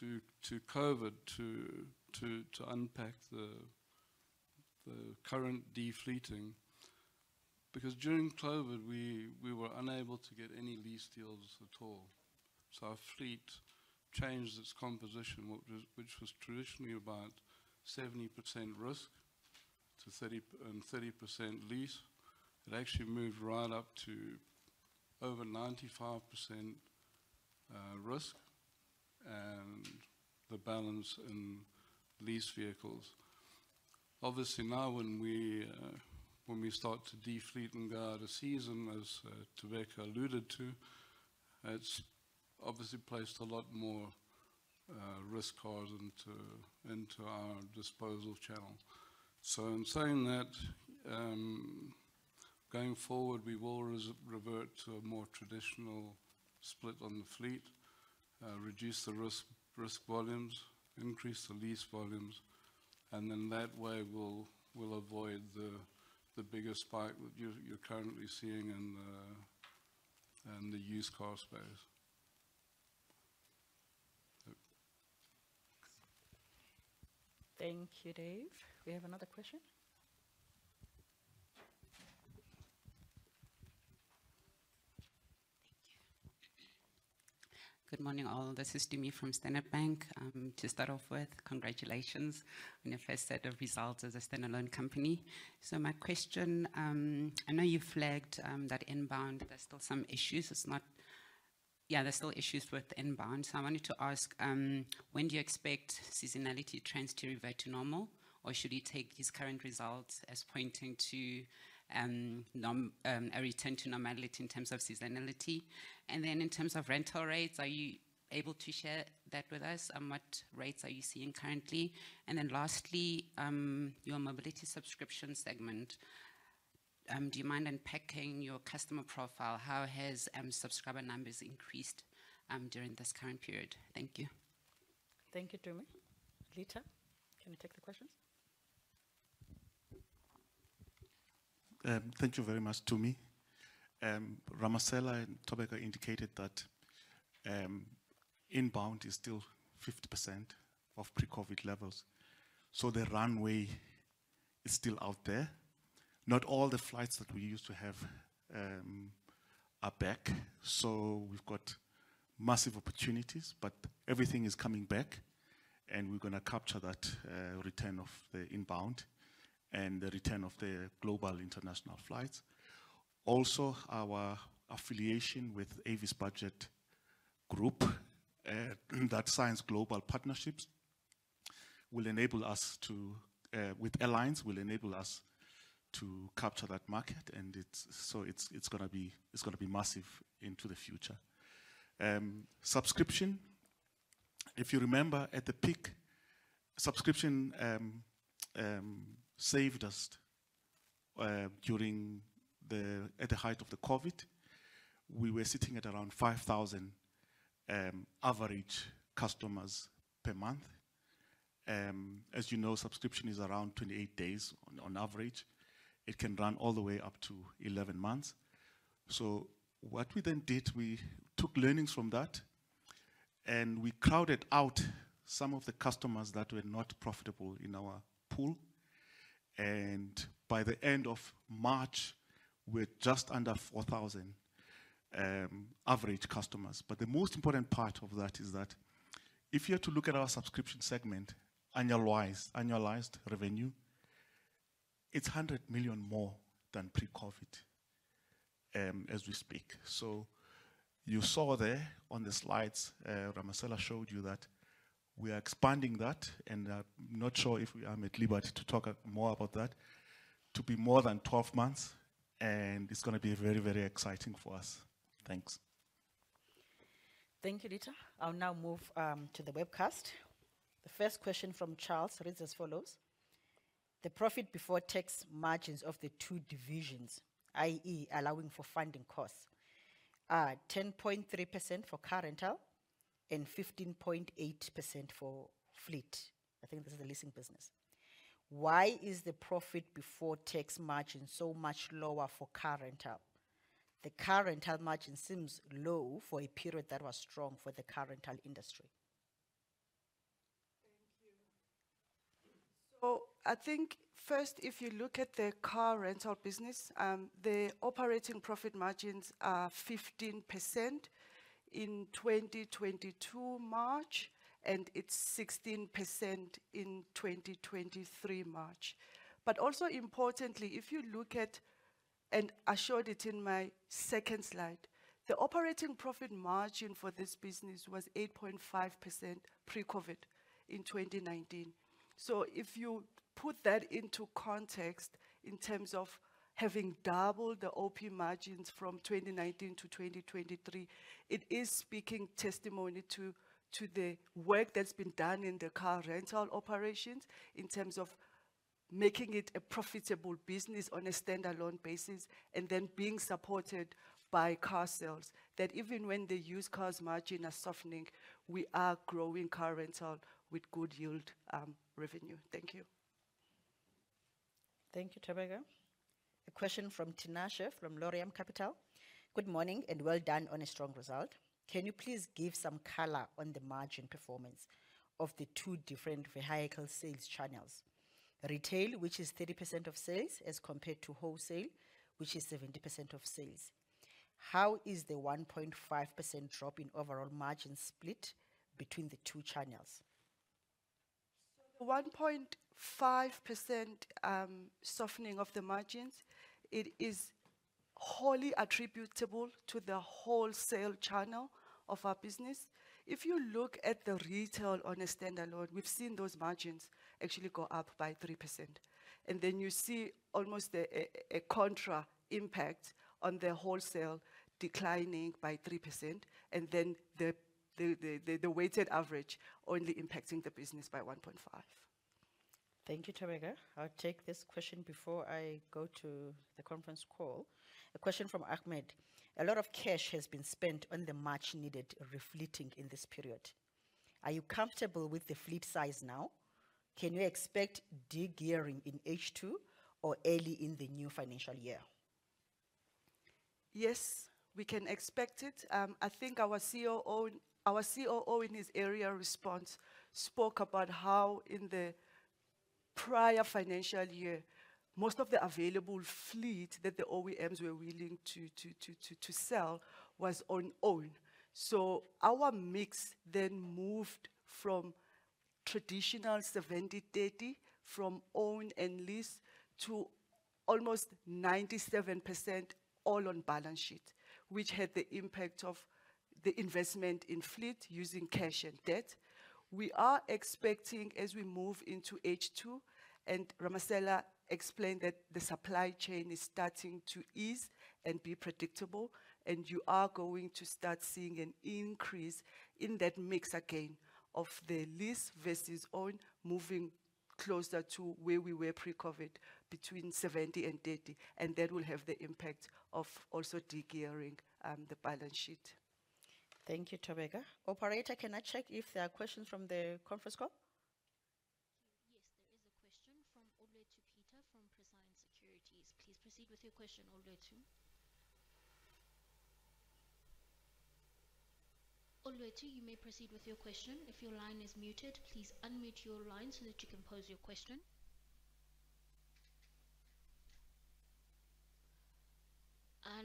to COVID to unpack the current Defleeting. During COVID, we were unable to get any lease deals at all, so our fleet changed its composition, which was traditionally about 70% risk to 30% lease. It actually moved right up to over 95% risk and the balance in lease vehicles. Obviously, now when we start to defleet and go out of season, as Thobeka alluded to, it's obviously placed a lot more risk cars into our disposal channel. In saying that, going forward, we will revert to a more traditional split on the fleet, reduce the risk volumes, increase the lease volumes, and then that way we'll avoid the bigger spike that you're currently seeing in the used car space. Thank you, Dave. We have another question. Thank you. Good morning, all this is Tumi from Standard Bank. To start off with, congratulations on your first set of results as a standalone company. My question, I know you flagged that Inbound, there are still some issues. Yeah, there are still issues with Inbound. I wanted to ask, when do you expect seasonality trends to revert to normal? Or should we take these current results as pointing to a return to normality in terms of seasonality? In terms of rental rates, are you able to share that with us? What rates are you seeing currently? Lastly, your mobility subscription segment, do you mind unpacking your customer profile? How has subscriber numbers increased during this current period? Thank you. Thank you, Tumi. Litha, can you take the questions? Thank you very much, Tumi. Ramasela and Thobeka indicated that Inbound is still 50% of pre-COVID levels. The runway is still out there. Not all the flights that we used to have are back. We've got massive opportunities. Everything is coming back, and we're gonna capture that return of the Inbound and the return of the global international flights. Our affiliation with Avis Budget Group that signs global partnerships, will enable us to with airlines, will enable us to capture that market, and so it's gonna be massive into the future. Subscription, if you remember, at the peak, subscription saved us during the... At the height of the COVID. We were sitting at around 5,000 average customers per month. As you know, subscription is around 28 days on average. It can run all the way up to 11 months. What we then did, we took learnings from that and we crowded out some of the customers that were not profitable in our pool. By the end of March, we're just under 4,000 average customers. The most important part of that is that if you are to look at our subscription segment, annualized revenue, it's 100 million more than pre-COVID as we speak. You saw there on the slides, Ramasela showed you that we are expanding that, and I'm not sure if we are at liberty to talk more about that, to be more than 12 months, and it's gonna be very, very exciting for us. Thanks. Thank you Litha ,I'll now move to the webcast. The first question from Charles reads as follows: "The profit before tax margins of the two divisions, i.e., allowing for funding costs, are 10.3% for car rental and 15.8% for fleet." I think this is the leasing business. "Why is the profit before tax margin so much lower for car rental? The car rental margin seems low for a period that was strong for the car rental industry. Thank you. I think first, if you look at the car rental business, the operating profit margins are 15% in 2022, March, and it's 16% in 2023, March. Also importantly, if you look at. I showed it in my second slide, the operating profit margin for this business was 8.5% pre-COVID in 2019. If you put that into context in terms of having doubled the OP margins from 2019 to 2023, it is speaking testimony to the work that's been done in the car rental operations, in terms of making it a profitable business on a standalone basis, and then being supported by car sales. That even when the used cars margin are softening, we are growing car rental with good yield, revenue. Thank you. Thank you, Thobeka. A question from Tinashe, from Laurium Capital: "Good morning, and well done on a strong result. Can you please give some color on the margin performance of the two different vehicle sales channels? Retail, which is 30% of sales, as compared to wholesale, which is 70% of sales. How is the 1.5% drop in overall margin split between the two channels? The 1.5% softening of the margins, it is wholly attributable to the wholesale channel of our business. If you look at the retail on a standalone, we've seen those margins actually go up by 3%. You see almost a contra impact on the wholesale declining by 3%, and then the weighted average only impacting the business by 1.5%. Thank you Thobeka. I'll take this question before I go to the conference call. A question from Ahmed. A lot of cash has been spent on the much needed refleeting in this period. Are you comfortable with the fleet size now? Can you expect de-gearing in H2 or early in the new financial year? Yes, we can expect it. I think our COO, in his area response, spoke about how in the prior financial year, most of the available fleet that the OEMs were willing to sell was on own. Our mix then moved from traditional 70/30, from own and lease, to almost 97% all on balance sheet, which had the impact of the investment in fleet using cash and debt. We are expecting, as we move into H2, and Ramasela explained that the supply chain is starting to ease and be predictable, and you are going to start seeing an increase in that mix again of the lease versus own, moving closer to where we were pre-COVID, between 70 and 30, and that will have the impact of also de-gearing the balance sheet. Thank you, Thobeka. Operator, can I check if there are questions from the conference call? Yes, there is a question from Olwethu Peter from Prescient Securities. Please proceed with your question, Olwethu. Olwethu, you may proceed with your question. If your line is muted, please unmute your line so that you can pose your question.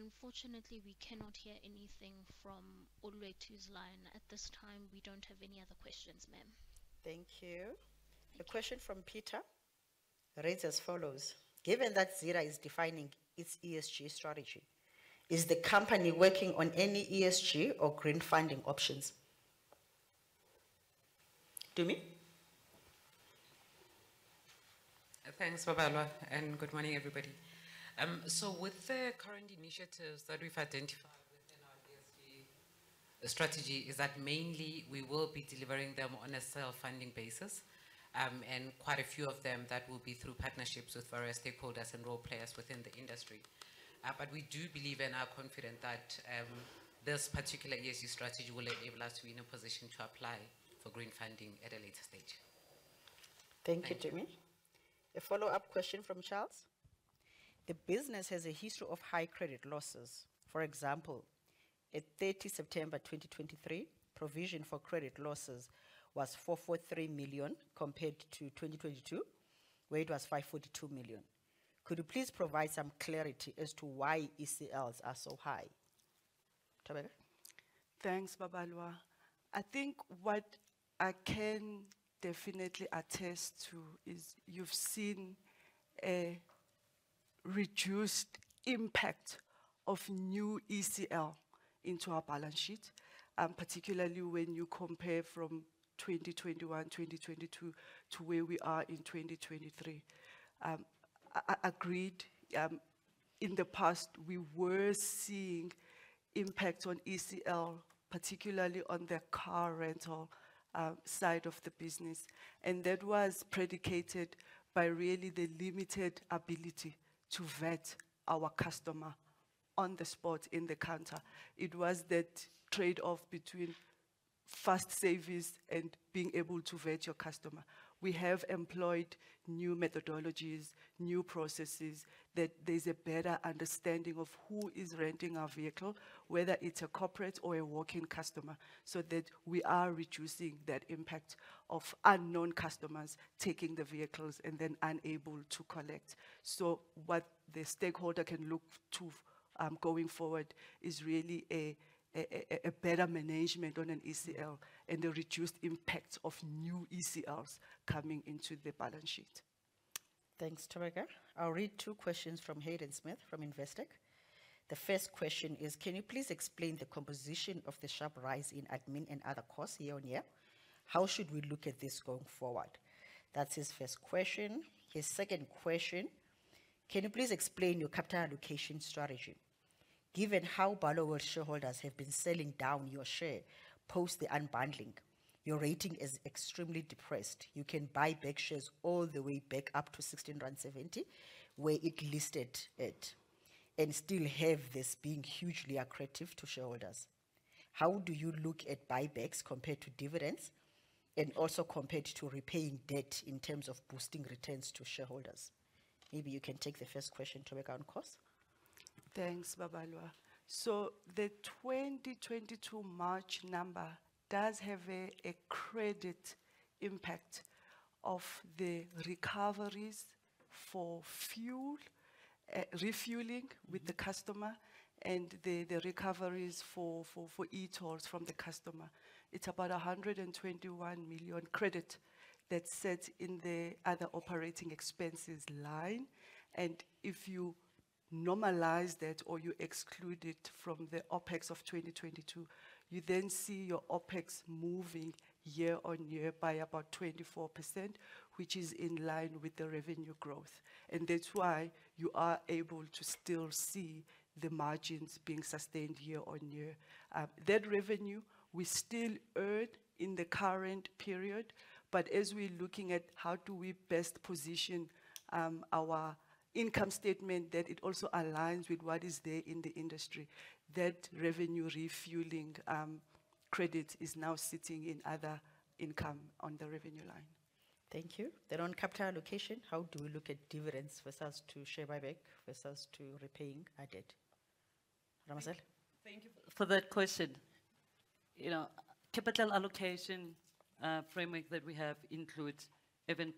Unfortunately, we cannot hear anything from Olwethu's line. At this time, we don't have any other questions, ma'am. Thank you. A question from Peter reads as follows: "Given that Zeda is defining its ESG strategy, is the company working on any ESG or green funding options?" Tumi? Thanks, Babalwa Good morning, everybody. With the current initiatives that we've identified within our ESG strategy, is that mainly we will be delivering them on a self-funding basis, and quite a few of them, that will be through partnerships with various stakeholders and role players within the industry. We do believe and are confident that this particular ESG strategy will enable us to be in a position to apply for green funding at a later stage. Thank you Tumi, A follow-up question from Charles: The business has a history of high credit losses. For example, at 30 September 2023, provision for credit losses was 443 million, compared to 2022, where it was 542 million. Could you please provide some clarity as to why ECLs are so high? Thobeka? Thanks, Babalwa. I think what I can definitely attest to is you've seen a reduced impact of new ECL into our balance sheet, particularly when you compare from 2021, 2022 to where we are in 2023. I agreed, in the past, we were seeing impact on ECL, particularly on the car rental side of the business. That was predicated by really the limited ability to vet our customer on the spot in the counter. It was that trade-off between fast service and being able to vet your customer. We have employed new methodologies, new processes, that there's a better understanding of who is renting our vehicle, whether it's a corporate or a walk-in customer, so that we are reducing that impact of unknown customers taking the vehicles and then unable to collect. What the stakeholder can look to, going forward is really a better management on an ECL and the reduced impact of new ECLs coming into the balance sheet. Thanks, Thobeka. I'll read two questions from Hayden Smith from Investec. The first question is: Can you please explain the composition of the sharp rise in admin and other costs year on year? How should we look at this going forward? That's his first question. His second question: Can you please explain your capital allocation strategy? Given how Barloworld shareholders have been selling down your share post the Unbundling, your rating is extremely depressed. You can buy back shares all the way back up to 16.70, where it listed at, and still have this being hugely accretive to shareholders. How do you look at buybacks compared to dividends, and also compared to repaying debt in terms of boosting returns to shareholders? Maybe you can take the first question, Thobeka, on cost. Thanks, Babalwa. The 2022 March number does have a credit impact of the recoveries for fuel, refueling with the customer and the recoveries for e-tolls from the customer. It's about 121 million credit that sits in the other operating expenses line, if you normalize that or you exclude it from the OpEx of 2022, you then see your OpEx moving year-on-year by about 24%, which is in line with the revenue growth. That's why you are able to still see the margins being sustained year-on-year. That revenue, we still earn in the current period, but as we're looking at how do we best position our income statement, that it also aligns with what is there in the industry. That revenue refueling, credit is now sitting in other income on the revenue line. Thank you. On capital allocation, how do we look at dividends versus to share buyback versus to repaying our debt? Ramasela? Thank you for that question. You know, capital allocation, framework that we have includes even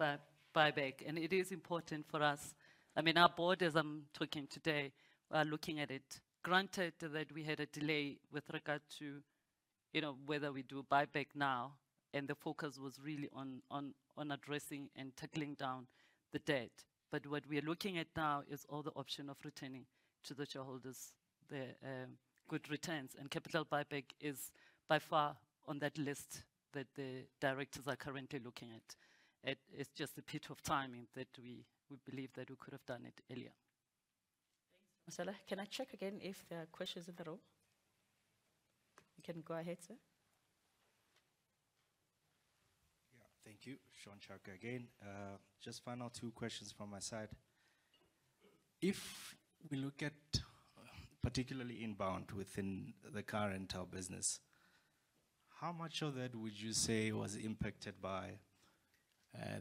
buyback, it is important for us. I mean, our board, as I'm talking today, are looking at it. Granted, that we had a delay with regard to, you know, whether we do a buyback now, and the focus was really on addressing and tackling down the debt. What we are looking at now is all the option of returning to the shareholders the good returns, and capital buyback is by far on that list that the directors are currently looking at. It is just a pitch of timing that we believe that we could have done it earlier. Thanks, Ramasela. Can I check again if there are questions in the room? You can go ahead, sir. Thank you. Shaun Chauke again. Just final two questions from my side. If we look at particularly Inbound within the car rental business, how much of that would you say was impacted by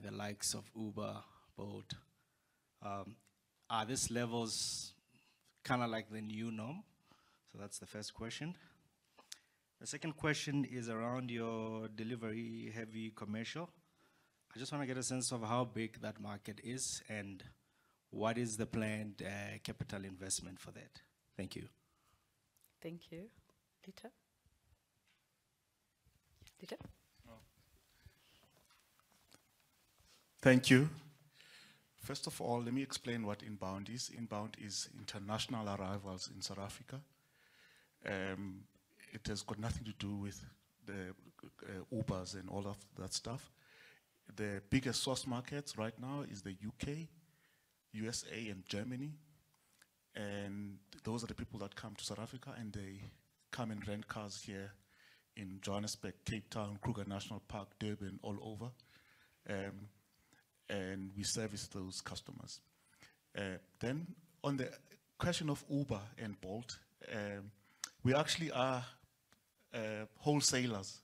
the likes of Uber, Bolt? Are these levels kind of like the new norm? That's the first question. The second question is around your delivery-heavy commercial. I just want to get a sense of how big that market is, and what is the planned capital investment for that? Thank you. Thank you. Dieter? Dieter? Thank you. First of al let me explain what Inbound is. Inbound is international arrivals in South Africa. It has got nothing to do with the Uber and all of that stuff. The biggest source markets right now is the U.K, U.S.A, and Germany. Those are the people that come to South Africa, and they come and rent cars here in Johannesburg, Cape Town, Kruger National Park, Durban, all over, and we service those customers. On the question of Uber and Bolt, we actually are wholesalers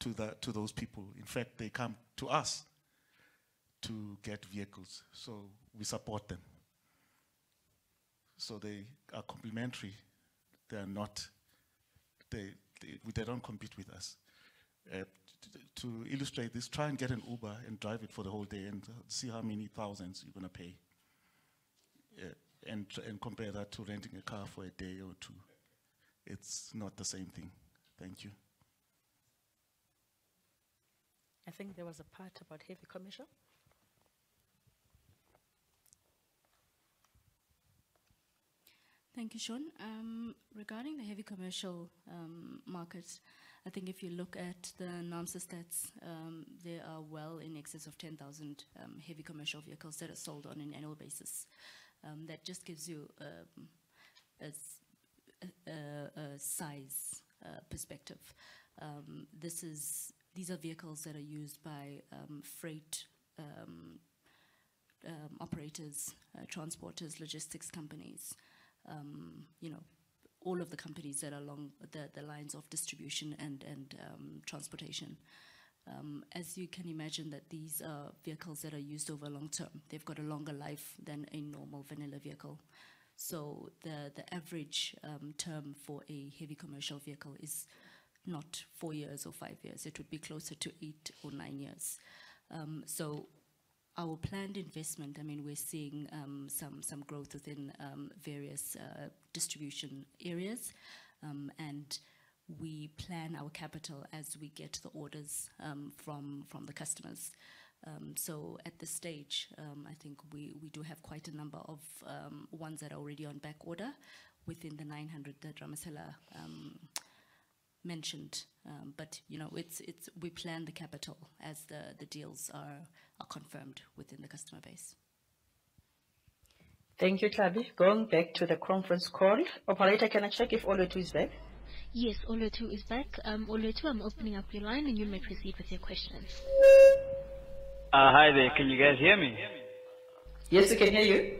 to those people. In fact, they come to us to get vehicles, so we support them. They are complementary, they don't compete with us. To illustrate this, try and get an Uber and drive it for the whole day and see how many thousands you're gonna pay and compare that to renting a car for a day or two. It's not the same thing. Thank you. I think there was a part about Heavy Commercial. Thank you, Shaun regarding the Heavy Commercial markets, I think if you look at the naamsa stats, there are well in excess of 10,000 heavy commercial vehicles that are sold on an annual basis. That just gives you a size perspective. These are vehicles that are used by freight operators, transporters, logistics companies, you know, all of the companies that are along the lines of distribution and transportation. As you can imagine, that these are vehicles that are used over long term, they've got a longer life than a normal vanilla vehicle. The average term for a heavy commercial vehicle is not four years or five years. It would be closer to eight or nine years. Our planned investment, I mean, we're seeing some growth within various distribution areas, and we plan our capital as we get the orders from the customers. At this stage, I think we do have quite a number of ones that are already on back order within the 900 that Ramasela mentioned. You know, We plan the capital as the deals are confirmed within the customer base. Thank you, Tlhabi. Going back to the conference call. Operator, can I check if Olwethu is back? Yes, Olwethu is back. Olwethu, I'm opening up your line, and you may proceed with your questions. Hi there. Can you guys hear me? Yes, we can hear you.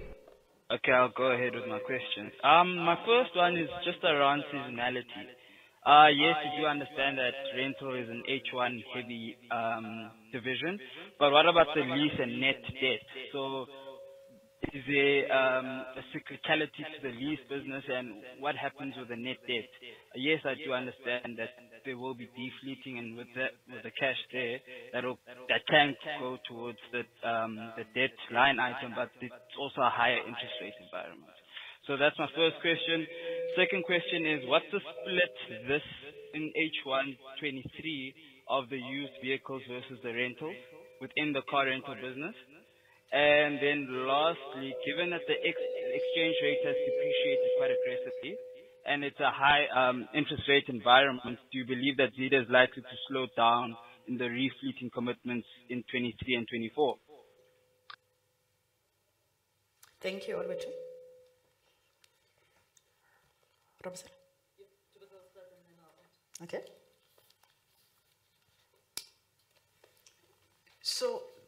Okay, I'll go ahead with my questions. My first one is just around seasonality. Yes, we do understand that rental is an H1 heavy division, but what about the lease and net debt? Is there a cyclicality to the lease business, and what happens with the net debt? Yes, I do understand that there will be de-fleeting, and with the cash there, that can go towards the debt line item, but it's also a higher interest rate environment. That's my first question. Second question is, what's the split this, in H1 2023 of the used vehicles versus the rentals within the car rental business? lastly, given that the ex-exchange rate has depreciated quite aggressively and it's a high interest rate environment, do you believe that Zeda is likely to slow down in the re-fleeting commitments in 2023 and 2024? Thank you, Olwethu. Ramasela? Yes, Thobeka start and then I'll... Okay.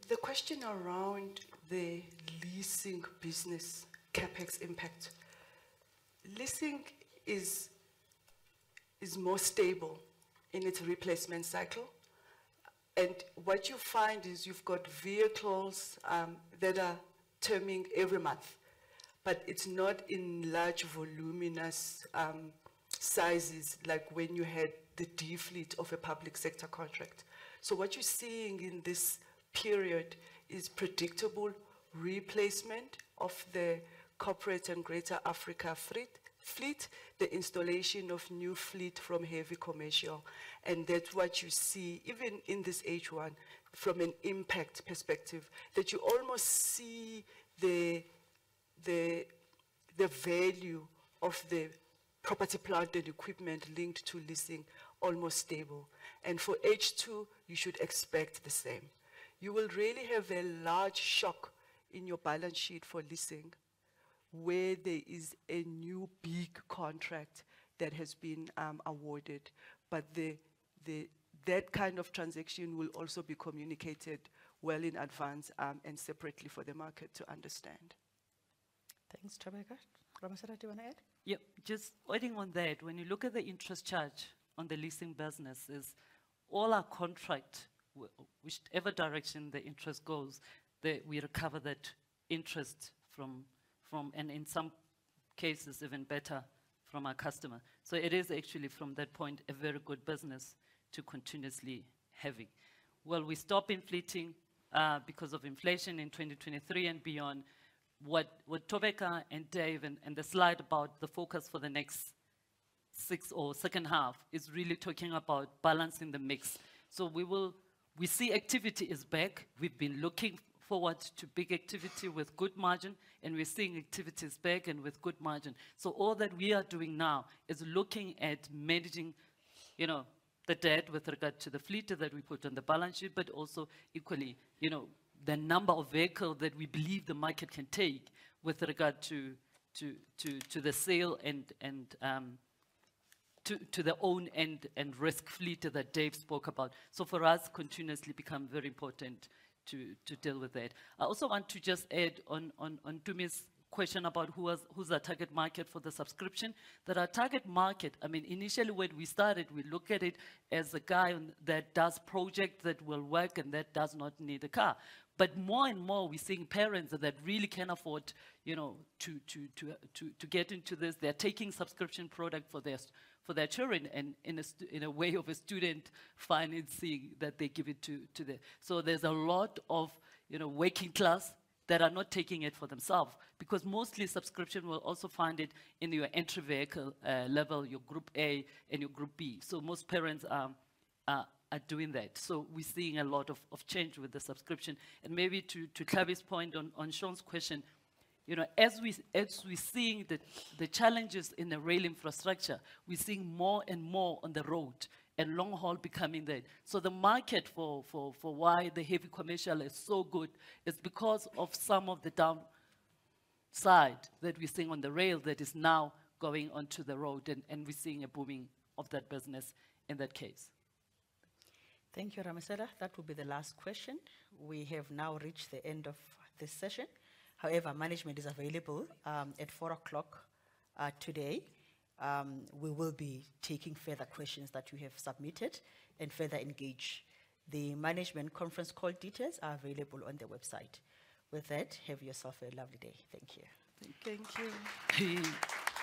The question around the leasing business CapEx impact. Leasing is more stable in its replacement cycle. What you find is you've got vehicles, that are terming every month, but it's not in large, voluminous, sizes, like when you had the de-fleet of a public sector contract. What you're seeing in this period is predictable replacement of the corporate and greater Africa fleet, the installation of new fleet from heavy commercial. That's what you see, even in this H1, from an impact perspective, that you almost see the value of the property, plant, and equipment linked to leasing almost stable. For H2, you should expect the same. You will really have a large shock in your balance sheet for leasing, where there is a new big contract that has been, awarded. That kind of transaction will also be communicated well in advance, and separately for the market to understand. Thanks, Thobeka. Ramasela, do you want to add? Yep. Just adding on that, when you look at the interest charge on the leasing businesses, all our contract whichever direction the interest goes, we recover that interest from... and in some cases, even better from our customer. It is actually, from that point, a very good business to continuously having. Will we stop in fleeting because of inflation in 2023 and beyond? What Thobeka and Dave and the slide about the focus for the next six or second half, is really talking about balancing the mix. We see activity is back. We've been looking forward to big activity with good margin, and we're seeing activities back and with good margin. All that we are doing now is looking at managing, you know, the debt with regard to the fleet that we put on the balance sheet, but also equally, you know, the number of vehicles that we believe the market can take with regard to the sale and to the own end and risk fleet that Dave spoke about. For us, continuously become very important to deal with that. I also want to just add on Tumi's question about who is, who's our target market for the subscription, that our target market, I mean, initially when we started, we look at it as a guy that does project that will work and that does not need a car. More and more, we're seeing parents that really can afford, you know, to get into this. They're taking subscription product for their children, and in a way of a student financing, that they give it to them. There's a lot of, you know, working class that are not taking it for themselves, because mostly subscription will also find it in your entry vehicle, level, your group A and your group B. Most parents are doing that. We're seeing a lot of change with the subscription. Maybe to Tlhabi point on Shaun's question, you know, as we're seeing the challenges in the rail infrastructure, we're seeing more and more on the road and long haul becoming that. The market for why the Heavy Commercial is so good is because of some of the downside that we're seeing on the rail that is now going onto the road, and we're seeing a booming of that business in that case. Thank you, Ramasela. That will be the last question. We have now reached the end of this session. However, management is available at 4:00 P.M. today. We will be taking further questions that you have submitted and further engage. The management conference call details are available on the website. With that, have yourself a lovely day. Thank you. Thank you.